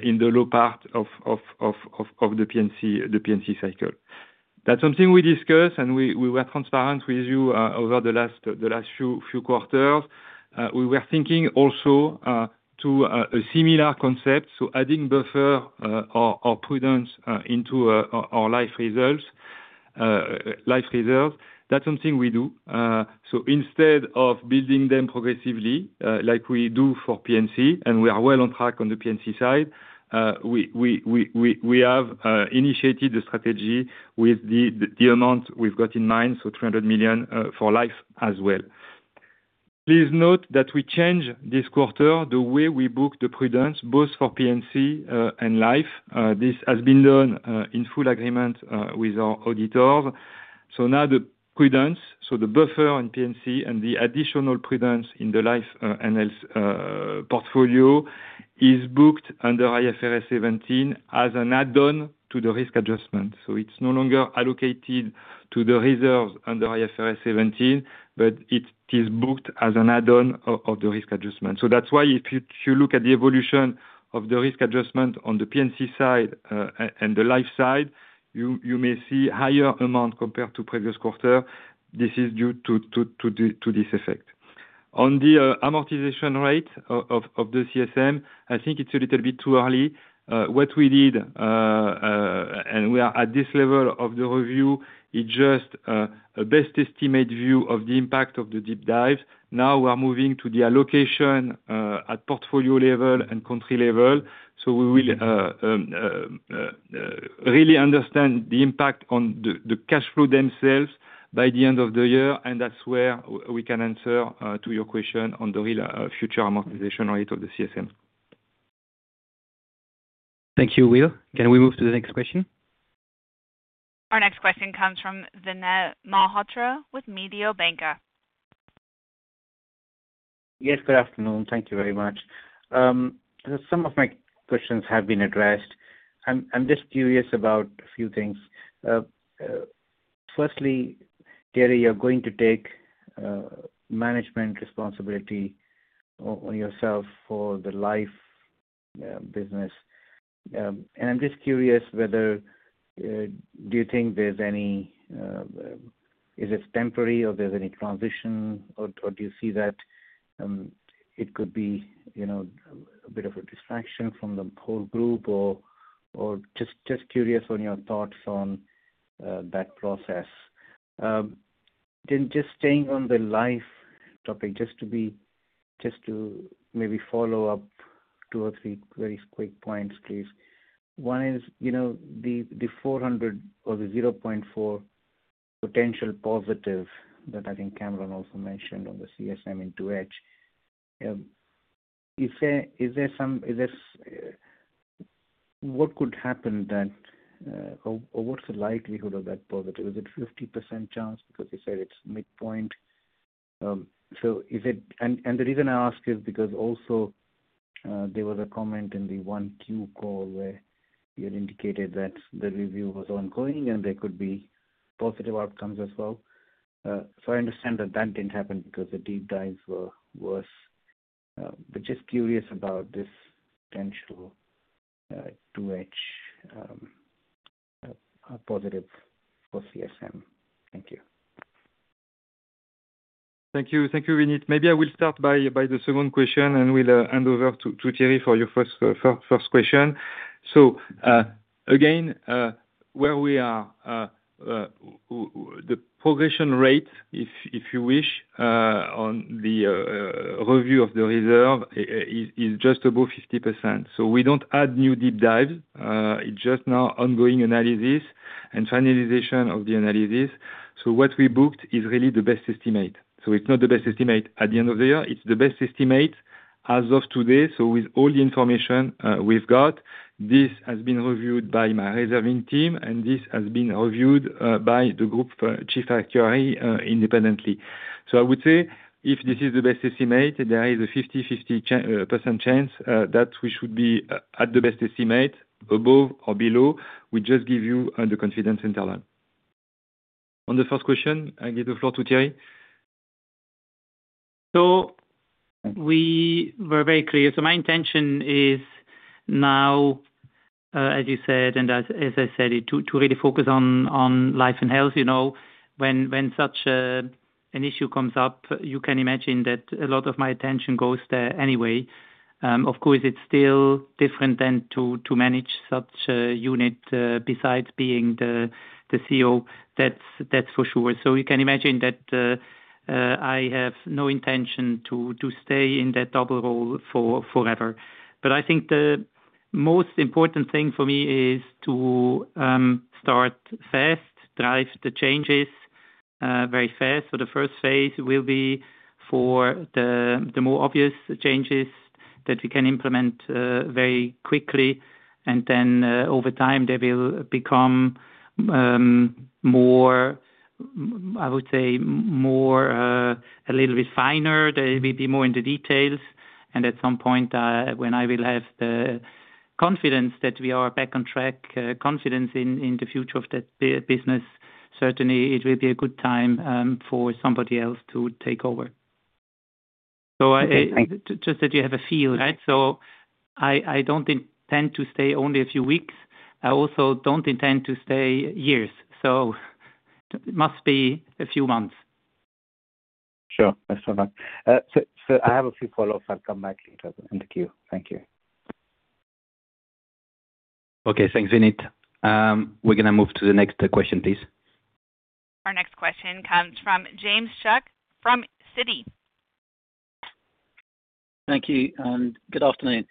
in the low part of the P&C cycle. That's something we discussed, and we were transparent with you over the last few quarters. We were thinking also to a similar concept, so adding buffer or prudence into our life reserves, life reserve, that's something we do. So instead of building them progressively, like we do for P&C, and we are well on track on the P&C side, we have initiated the strategy with the amount we've got in mind, so 300 million for life as well. Please note that we change this quarter the way we book the prudence both for P&C and life. This has been done in full agreement with our auditors. So now the prudence, so the buffer on P&C and the additional prudence in the life, and health, portfolio, is booked under IFRS 17 as an add-on to the risk adjustment. So it's no longer allocated to the reserves under IFRS 17, but it is booked as an add-on of the risk adjustment. So that's why if you look at the evolution of the risk adjustment on the P&C side, and the life side, you may see higher amount compared to previous quarter. This is due to this effect. On the amortization rate of the CSM, I think it's a little bit too early. What we did, and we are at this level of the review, is just a best estimate view of the impact of the deep dive. Now we are moving to the allocation at portfolio level and country level, so we will really understand the impact on the cash flow themselves by the end of the year, and that's where we can answer to your question on the real future amortization rate of the CSM. Thank you, Will. Can we move to the next question? Our next question comes from Vinay Malhitra, with Mediobanca. Yes, good afternoon. Thank you very much. Some of my questions have been addressed. I'm just curious about a few things. Firstly, Thierry, you're going to take management responsibility on yourself for the life business. And I'm just curious whether do you think there's any is this temporary or there's any transition or do you see that it could be, you know, a bit of a distraction from the whole group or just curious on your thoughts on that process. Then just staying on the life topic, just to be, just to maybe follow up two or three very quick points, please. One is, you know, the 400 or the 0.4 potential positive that I think Cameron also mentioned on the CSM in 2H. Is there something that could happen then, or what's the likelihood of that positive? Is it 50% chance because you said it's midpoint? So is it—and the reason I ask is because also, there was a comment in the 1Q call where you had indicated that the review was ongoing, and there could be positive outcomes as well. So I understand that that didn't happen because the deep dives were worse. But just curious about this potential 2H positive for CSM. Thank you. Thank you. Thank you, Vinay. Maybe I will start by the second question, and we'll hand over to Thierry for your first question. So, again, where we are, the progression rate, if you wish, on the review of the reserve, is just above 50%. So we don't add new deep dives. It's just now ongoing analysis and finalization of the analysis. So what we booked is really the best estimate. So it's not the best estimate at the end of the year, it's the best estimate as of today. So with all the information we've got, this has been reviewed by my reserving team, and this has been reviewed by the Group Chief Actuary, independently. I would say if this is the best estimate, there is a 50% chance that we should be at the best estimate, above or below. We just give you the confidence interval. On the first question, I give the floor to Thierry. So we were very clear. So my intention is now, as you said, and as I said, to really focus on life and health, you know, when such an issue comes up, you can imagine that a lot of my attention goes there anyway. Of course, it's still different than to manage such a unit, besides being the CEO, that's for sure. So you can imagine that, I have no intention to stay in that double role for forever. But I think the most important thing for me is to start fast, drive the changes, very fast. So the first phase will be for the more obvious changes that we can implement very quickly, and then over time, they will become more, I would say, a little bit finer. They will be more into details. And at some point, when I will have the confidence that we are back on track, confidence in the future of that business, certainly it will be a good time for somebody else to take over. Okay, thank- So just that you have a feel, right? So I don't intend to stay only a few weeks. I also don't intend to stay years, so it must be a few months. Sure. That's so much. So I have a few follow-ups. I'll come back later in the queue. Thank you. Okay, thanks, Vinay. We're gonna move to the next question, please. Our next question comes from James Shuck, from Citi. Thank you, and good afternoon.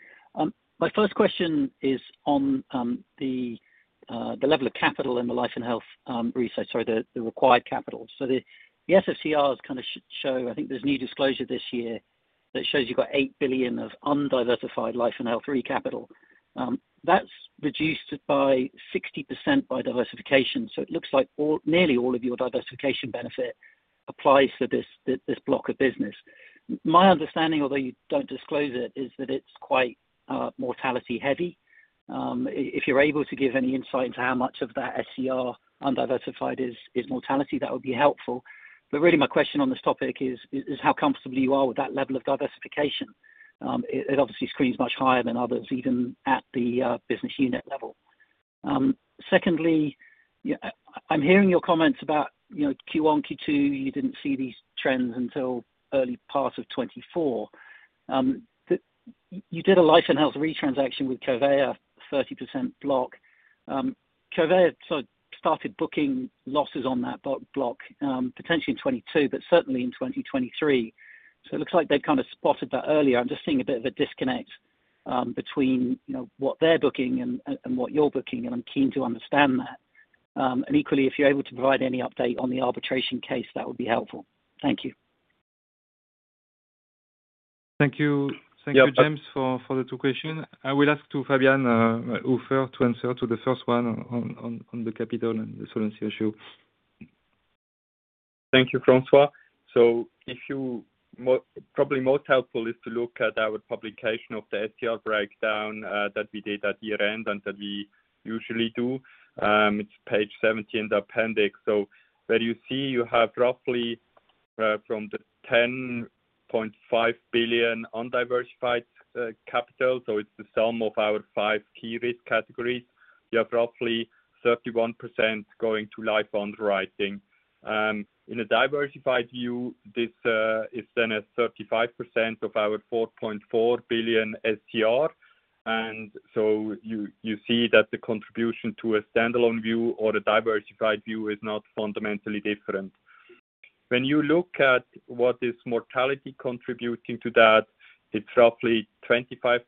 My first question is on the level of capital in the life and health, required capital. So the SFCRs kind of show, I think there's new disclosure this year, that shows you've got 8 billion of undiversified life and health re-capital. That's reduced by 60% by diversification, so it looks like all, nearly all of your diversification benefit applies to this block of business. My understanding, although you don't disclose it, is that it's quite mortality heavy. If you're able to give any insight into how much of that SCR undiversified is mortality, that would be helpful. But really, my question on this topic is how comfortable you are with that level of diversification? It obviously screens much higher than others, even at the business unit level. Secondly, I'm hearing your comments about, you know, Q1, Q2, you didn't see these trends until early part of 2024. You did a life and health re-transaction with Covéa, 30% block. Covéa sort of started booking losses on that block, block, potentially in 2022, but certainly in 2023. So it looks like they kind of spotted that earlier. I'm just seeing a bit of a disconnect, between, you know, what they're booking and and what you're booking, and I'm keen to understand that. And equally, if you're able to provide any update on the arbitration case, that would be helpful. Thank you. Thank you. Thank you, James, for the two questions. I will ask to Fabian Uffer to answer to the first one on the capital and the solvency issue. Thank you, Francois. So if you probably most helpful is to look at our publication of the SCR breakdown, that we did at year-end, and that we usually do. It's page 17, the appendix. So where you see, you have roughly, from the 10.5 billion undiversified capital, so it's the sum of our five key risk categories. You have roughly 31% going to life underwriting. In a diversified view, this is then at 35% of our 4.4 billion SCR, and so you see that the contribution to a standalone view or a diversified view is not fundamentally different. When you look at what is mortality contributing to that, it's roughly 25%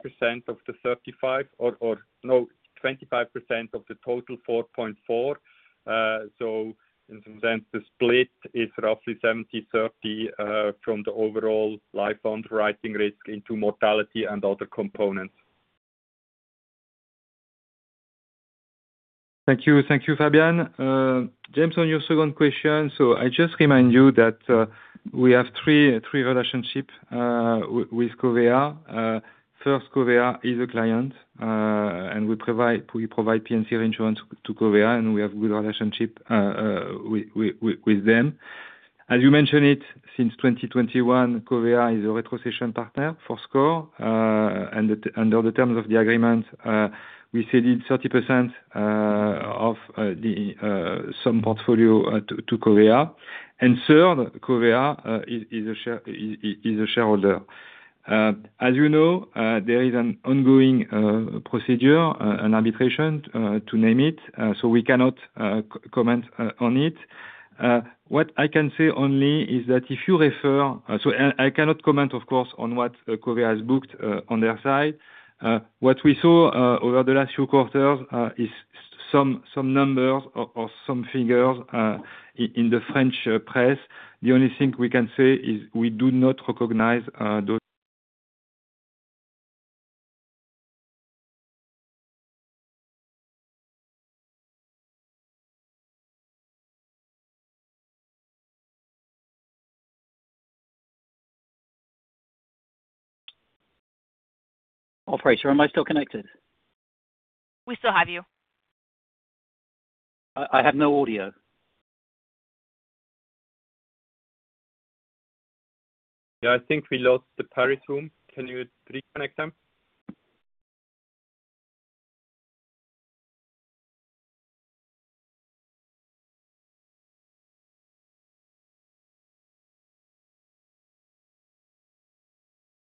of the 35, or, or, no, 25% of the total 4.4 billion. So then the split is roughly 70/30 from the overall life underwriting risk into mortality and other components. Thank you. Thank you, Fabian. James, on your second question, so I just remind you that we have three relationships with Covéa. First, Covéa is a client, and we provide P&C reinsurance to Covéa, and we have good relationship with them. As you mentioned it, since 2021, Covéa is a retrocession partner for SCOR. And under the terms of the agreement, we said it's 30% of the some portfolio to Covéa. And third, Covéa is a shareholder. As you know, there is an ongoing procedure, an arbitration to name it, so we cannot comment on it. What I can say only is that if you refer... So I cannot comment, of course, on what Covéa has booked on their side. What we saw over the last few quarters is some numbers or some figures in the French press. The only thing we can say is we do not recognize those. Operator, am I still connected? We still have you. I have no audio. Yeah, I think we lost the Paris room. Can you reconnect them?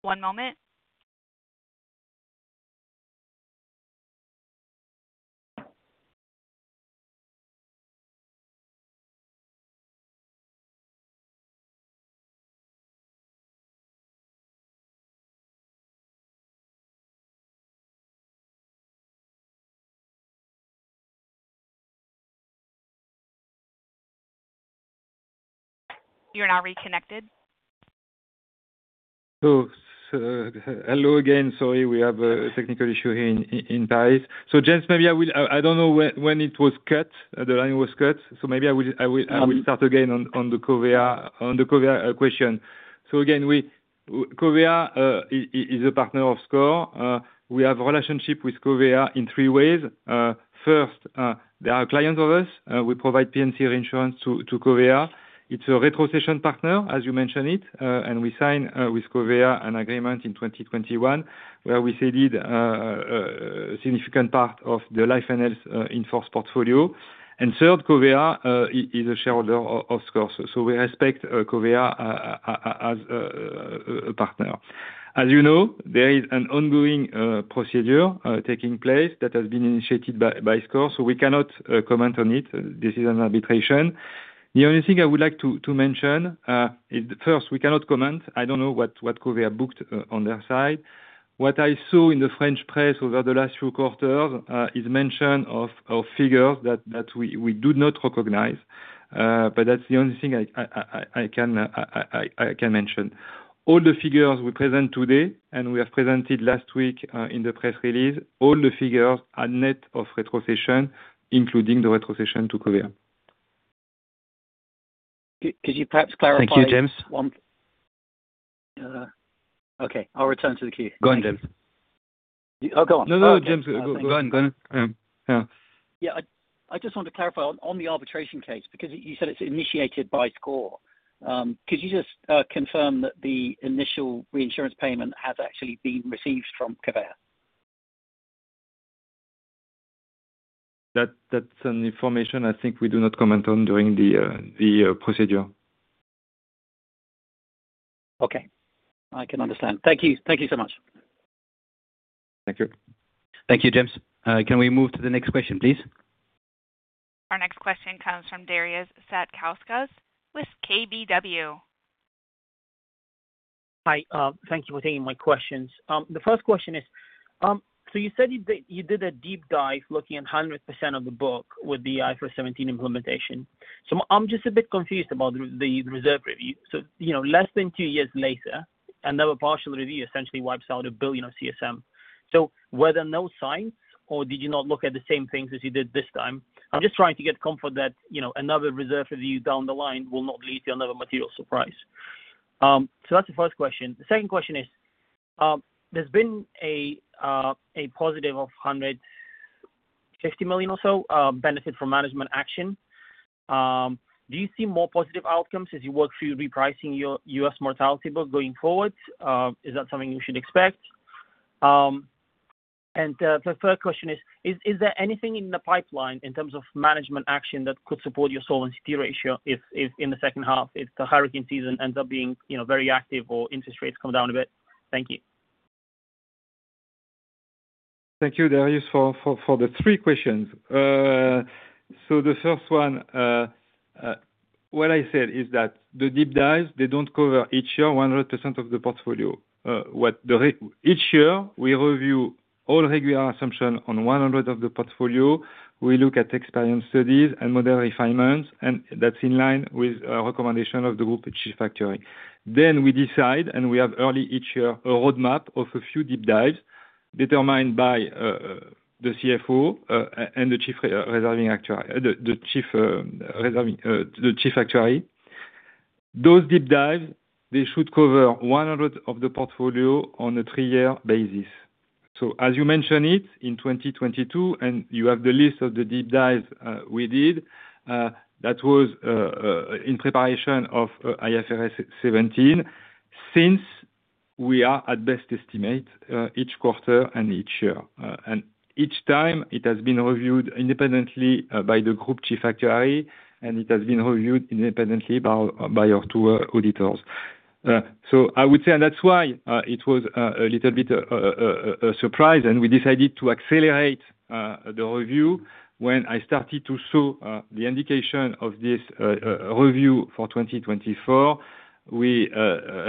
One moment. You're now reconnected. So, hello again. Sorry, we have a technical issue here in Paris. So James, maybe I will... I don't know when the line was cut, so maybe I will start again on the Covéa question. So again, Covéa is a partner of SCOR. We have a relationship with Covéa in three ways. First, they are a client of us. We provide P&C reinsurance to Covéa. It's a retrocession partner, as you mentioned it, and we signed significant part of the life and health in force portfolio. And third, Covéa is a shareholder of SCOR. So we respect, Covéa, as a partner. As you know, there is an ongoing procedure taking place that has been initiated by SCOR, so we cannot comment on it. This is an arbitration. The only thing I would like to mention is first, we cannot comment. I don't know what Covéa booked on their side. What I saw in the French press over the last few quarters is mention of figures that we do not recognize, but that's the only thing I can mention. All the figures we present today, and we have presented last week in the press release, all the figures are net of retrocession, including the retrocession to Covéa. Could you perhaps clarify- Thank you, James. One, okay, I'll return to the queue. Go on, James. Oh, go on. No, no, James. Go on, go on. Yeah. Yeah, I just want to clarify on the arbitration case, because you said it's initiated by SCOR. Could you just confirm that the initial reinsurance payment has actually been received from Covéa? That's an information I think we do not comment on during the procedure. Okay. I can understand. Thank you. Thank you so much. Thank you. Thank you, James. Can we move to the next question, please? Our next question comes from Darius Satkauskas with KBW. Hi, thank you for taking my questions. The first question is, so you said you did, you did a deep dive looking at 100% of the book with the IFRS 17 implementation. So I'm just a bit confused about the reserve review. So, you know, less than two years later, another partial review essentially wipes out 1 billion of CSM. So were there no signs, or did you not look at the same things as you did this time? I'm just trying to get comfort that, you know, another reserve review down the line will not lead to another material surprise. So that's the first question. The second question is, there's been a positive of 150 million or so benefit from management action. Do you see more positive outcomes as you work through repricing your US mortality book going forward? Is that something we should expect? And the third question is, is there anything in the pipeline in terms of management action that could support your solvency ratio if in the second half, if the hurricane season ends up being, you know, very active or interest rates come down a bit? Thank you. ... Thank you, Darius, for the three questions. So the first one, what I said is that the deep dives, they don't cover each year 100% of the portfolio. Each year, we review all regular assumption on 100% of the portfolio. We look at experience studies and model refinements, and that's in line with recommendation of the Group Chief Actuary. Then we decide, and we have early each year, a roadmap of a few deep dives determined by the CFO and the Chief Reserving Actuary, the Chief Actuary. Those deep dives, they should cover 100% of the portfolio on a three-year basis. So as you mention it, in 2022, and you have the list of the deep dives we did, that was in preparation of IFRS 17. Since we are at best estimate each quarter and each year, and each time it has been reviewed independently by the Group Chief Actuary, and it has been reviewed independently by our two auditors. So I would say that's why it was a little bit a surprise, and we decided to accelerate the review. When I started to show the indication of this review for 2024, we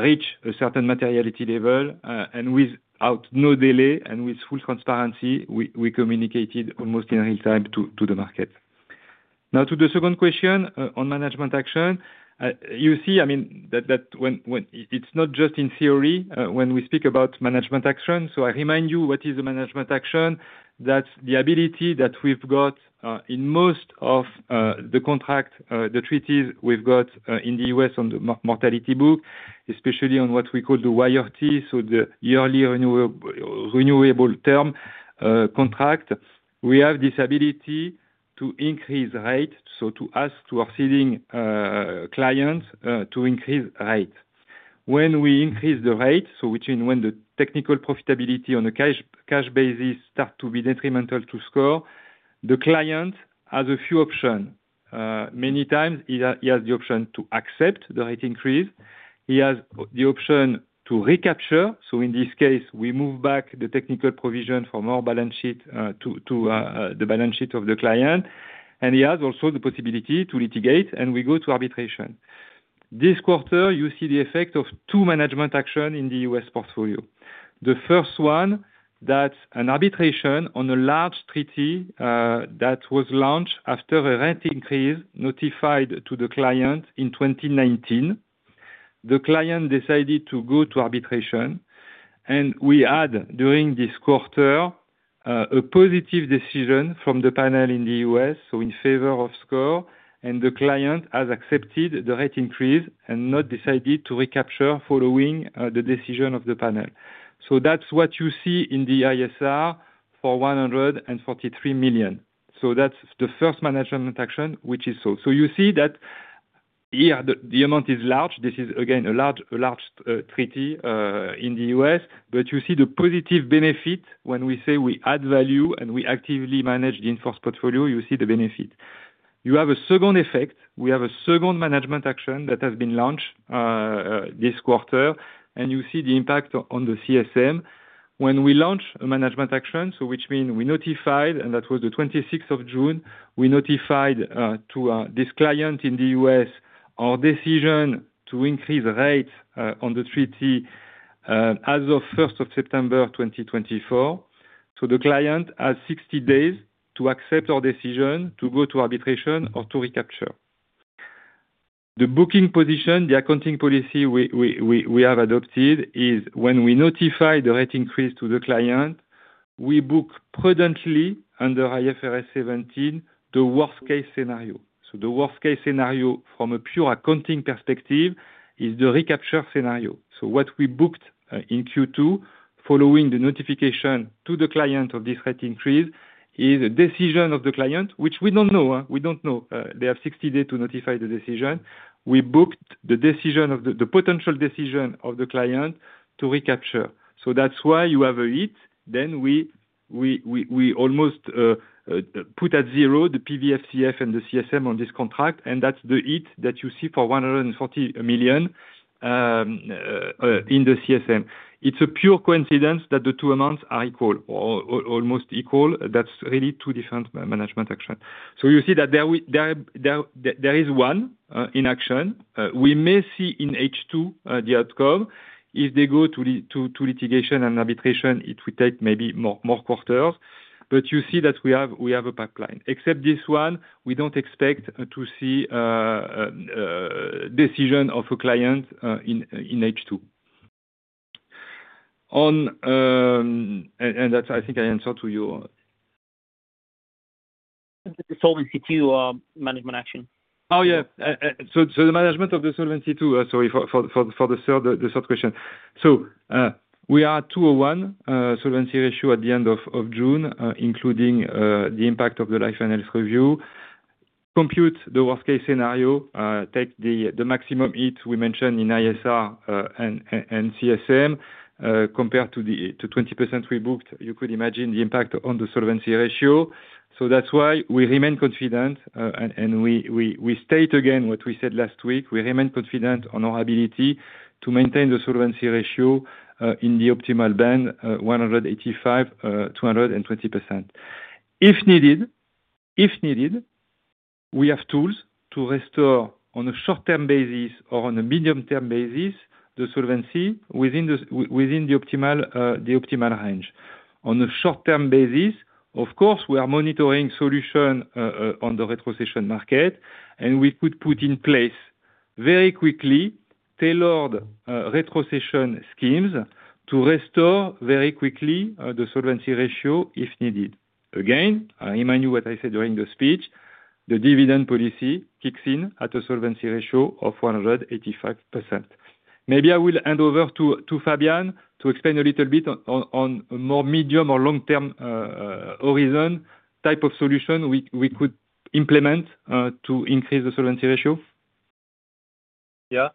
reach a certain materiality level, and without no delay, and with full transparency, we communicated almost in real time to the market. Now, to the second question on management action. You see, I mean, that when it's not just in theory, when we speak about management action. So I remind you what is the management action, that's the ability that we've got in most of the contract, the treaties we've got in the U.S. on the mortality book, especially on what we call the YRT, so the yearly renewable term contract. We have this ability to increase rate, so to ask to our ceding clients to increase rate. When we increase the rate, so when the technical profitability on a cash basis start to be detrimental to SCOR, the client has a few option. Many times, either he has the option to accept the rate increase, he has the option to recapture. So in this case, we move back the technical provision from our balance sheet to the balance sheet of the client. And he has also the possibility to litigate, and we go to arbitration. This quarter, you see the effect of two management action in the US portfolio. The first one, that's an arbitration on a large treaty that was launched after a rate increase notified to the client in 2019. The client decided to go to arbitration, and we had, during this quarter, a positive decision from the panel in the US, so in favor of SCOR, and the client has accepted the rate increase and not decided to recapture following the decision of the panel. So that's what you see in the ISR for 143 million. So that's the first management action, which is so. So you see that, yeah, the, the amount is large. This is again, a large, a large treaty in the US, but you see the positive benefit when we say we add value, and we actively manage the in-force portfolio, you see the benefit. You have a second effect. We have a second management action that has been launched this quarter, and you see the impact on the CSM. When we launch a management action, so which means we notified, and that was the twenty-sixth of June, we notified to this client in the US, our decision to increase rate on the treaty as of first of September 2024. So the client has 60 days to accept our decision to go to arbitration or to recapture. The booking position, the accounting policy we have adopted is when we notify the rate increase to the client, we book prudently under IFRS 17, the worst case scenario. So the worst case scenario from a pure accounting perspective is the recapture scenario. So what we booked in Q2, following the notification to the client of this rate increase, is a decision of the client, which we don't know, we don't know. They have 60 days to notify the decision. We booked the decision of the potential decision of the client to recapture. So that's why you have a hit. Then we almost put at zero, the PVFCF and the CSM on this contract, and that's the hit that you see for 140 million in the CSM. It's a pure coincidence that the two amounts are equal or almost equal. That's really two different management action. So you see that there is one in action. We may see in H2 the outcome. If they go to litigation and arbitration, it will take maybe more quarters. But you see that we have a pipeline. Except this one, we don't expect to see decision of a client in H2. And that's, I think, I answered to you. Solvency II, management action. Oh, yeah. So the management of the Solvency II, sorry for the third question. So we are 201% solvency ratio at the end of June, including the impact of the life and health review. Compute the worst-case scenario, take the maximum hit we mentioned in ISR and CSM, compared to the 20% we booked. You could imagine the impact on the solvency ratio. So that's why we remain confident, and we state again what we said last week: We remain confident on our ability to maintain the solvency ratio in the optimal band, 185%-220%. If needed... We have tools to restore on a short-term basis or on a medium-term basis the solvency within the optimal range. On a short-term basis, of course, we are monitoring solution on the retrocession market, and we could put in place very quickly tailored retrocession schemes to restore very quickly the solvency ratio if needed. Again, I remind you what I said during the speech, the dividend policy kicks in at a solvency ratio of 185%. Maybe I will hand over to Fabian to explain a little bit on a more medium- or long-term horizon type of solution we could implement to increase the solvency ratio. Yeah.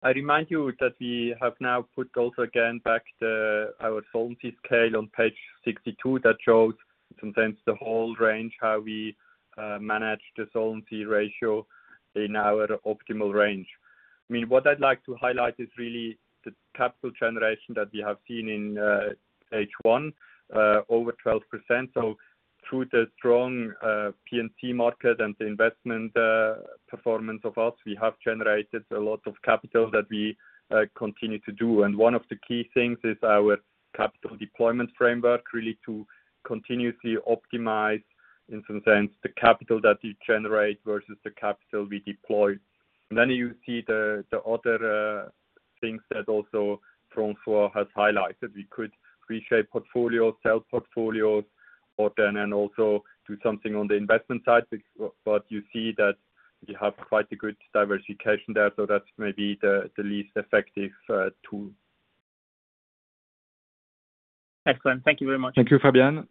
I remind you that we have now put also again, back the, our solvency scale on page 62, that shows sometimes the whole range, how we manage the solvency ratio in our optimal range. I mean, what I'd like to highlight is really the capital generation that we have seen in H1 over 12%. So through the strong P&C market and the investment performance of us, we have generated a lot of capital that we continue to do. And one of the key things is our capital deployment framework, really to continuously optimize, in some sense, the capital that we generate versus the capital we deploy. Then you see the other things that also Francois has highlighted. We could reshape portfolios, sell portfolios, or then, and also do something on the investment side. But you see that we have quite a good diversification there, so that's maybe the, the least effective tool. Excellent. Thank you very much. Thank you, Fabian.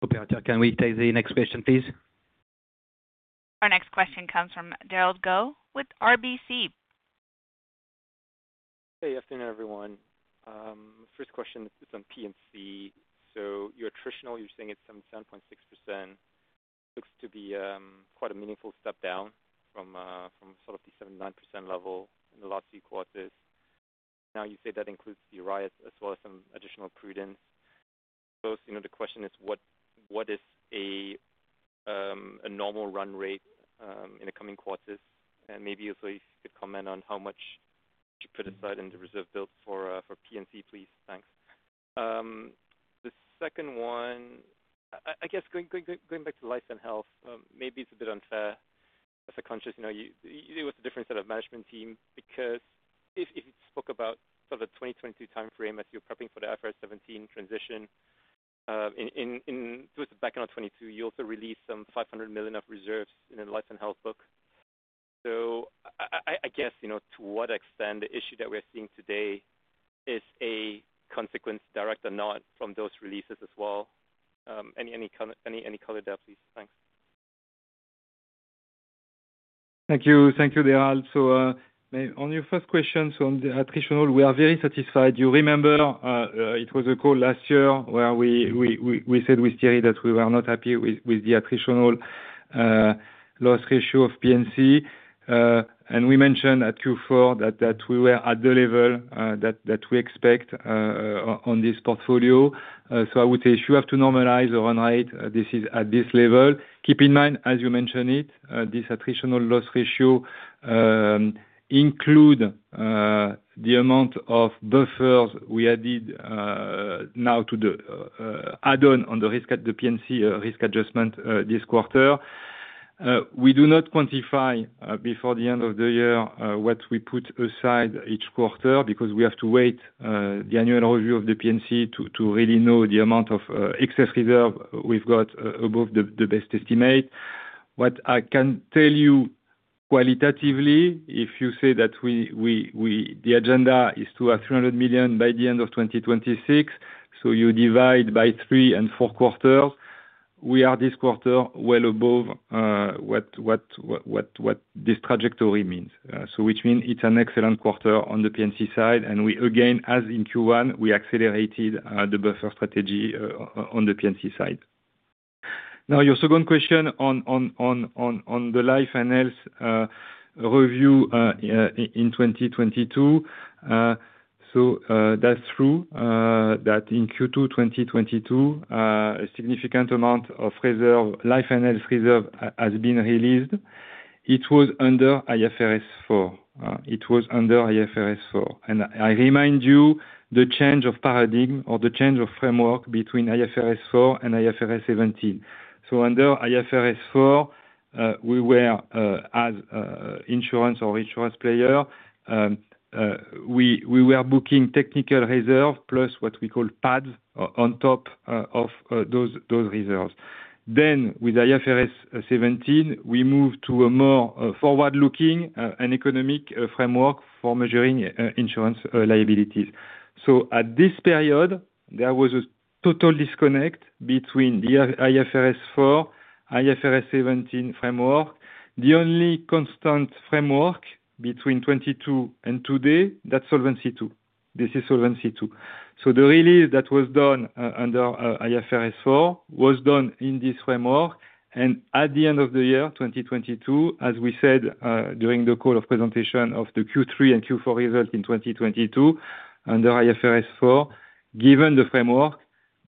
Operator, can we take the next question, please? Our next question comes from Gerald Go with RBC. Hey, afternoon, everyone. First question is on P&C. So your attritional, you're saying it's 7.6%. Looks to be quite a meaningful step down from sort of the 7.9% level in the last few quarters. Now, you say that includes the RAs as well as some additional prudence. So, you know, the question is: what is a normal run rate in the coming quarters? And maybe also you could comment on how much you put aside in the reserve built for P&C, please. Thanks. The second one, I guess going back to life and health, maybe it's a bit unfair, as a consequence, you know, you deal with a different set of management team, because if you spoke about sort of the 2022 time frame as you're prepping for the IFRS 17 transition, in towards the back end of 2022, you also released some 500 million of reserves in the life and health book. So I guess, you know, to what extent the issue that we're seeing today is a consequence, direct or not, from those releases as well? Any comment, any color there, please? Thanks. Thank you. Thank you, Gerald. So, on your first question, so on the attritional, we are very satisfied. You remember, it was a call last year where we said with Thierry that we were not happy with the attritional loss ratio of P&C. And we mentioned at Q4 that we were at the level on this portfolio. So I would say if you have to normalize the run rate, this is at this level. Keep in mind, as you mentioned it, this attritional loss ratio include the amount of buffers we added now to the add-on, on the risk at the P&C risk adjustment this quarter. We do not quantify before the end of the year what we put aside each quarter, because we have to wait the annual review of the P&C to really know the amount of excess reserve we've got above the best estimate. What I can tell you qualitatively, if you say that the agenda is to have 300 million by the end of 2026, so you divide by three and four quarters. We are this quarter well above what this trajectory means. So which means it's an excellent quarter on the P&C side, and we again, as in Q1, we accelerated the buffer strategy on the P&C side. Now, your second question on the life and health review in 2022. So, that's true, that in Q2 2022, a significant amount of reserve, life and health reserve has been released. It was under IFRS 4. It was under IFRS 4. And I remind you the change of paradigm or the change of framework between IFRS 4 and IFRS 17. So under IFRS 4, we were, as, insurance or insurance player, we were booking technical reserve, plus what we call pads, on top of those reserves. Then with IFRS 17, we moved to a more forward-looking and economic framework for measuring insurance liabilities. So at this period, there was a total disconnect between the IFRS 4, IFRS 17 framework. The only constant framework between 2022 and today, that's Solvency II. This is Solvency II. So the release that was done under IFRS 4 was done in this framework. And at the end of the year, 2022, as we said, during the call of presentation of the Q3 and Q4 results in 2022, under IFRS 4, given the framework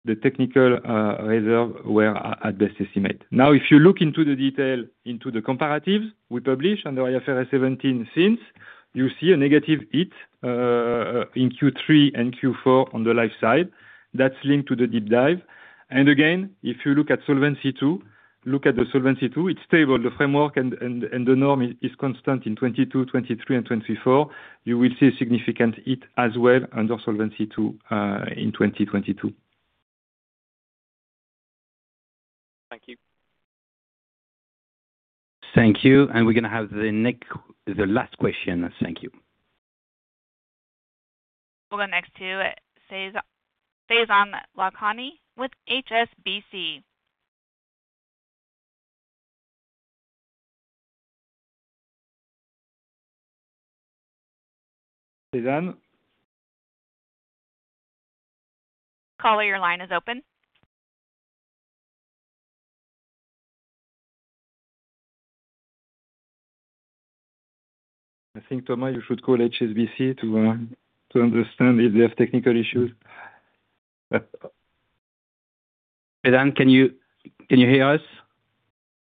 the technical reserve were at best estimate. Now, if you look into the detail, into the comparatives we publish under IFRS 17 since, you see a negative hit in Q3 and Q4 on the life side, that's linked to the deep dive. And again, if you look at Solvency II, look at the Solvency II, it's stable. The framework and the norm is constant in 2022, 2023 and 2024. You will see a significant hit as well under Solvency II in 2022. Thank you. Thank you. We're gonna have the next, the last question. Thank you. We'll go next to Faizan Lakhani with HSBC. Faizan? Caller, your line is open. I think, Thomas, you should call HSBC to, to understand if they have technical issues. Faizan, can you hear us?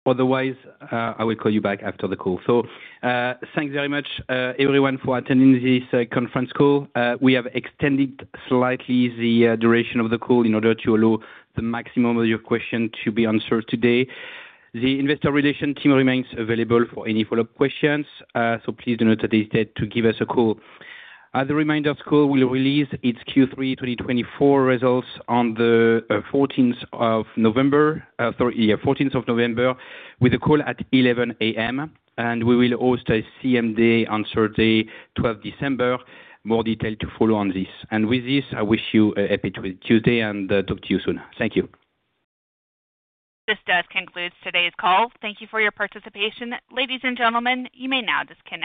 Otherwise, I will call you back after the call. So, thanks very much, everyone, for attending this conference call. We have extended slightly the duration of the call in order to allow the maximum of your question to be answered today. The Investor Relations team remains available for any follow-up questions, so please do not hesitate to give us a call. As a reminder, SCOR will release its Q3 2024 results on the fourteenth of November, sorry, yeah, fourteenth of November, with a call at 11:00 A.M. We will host a CMD on Thursday, twelfth December. More detail to follow on this. With this, I wish you a happy Tuesday, and talk to you soon. Thank you. This does conclude today's call. Thank you for your participation. Ladies and gentlemen, you may now disconnect.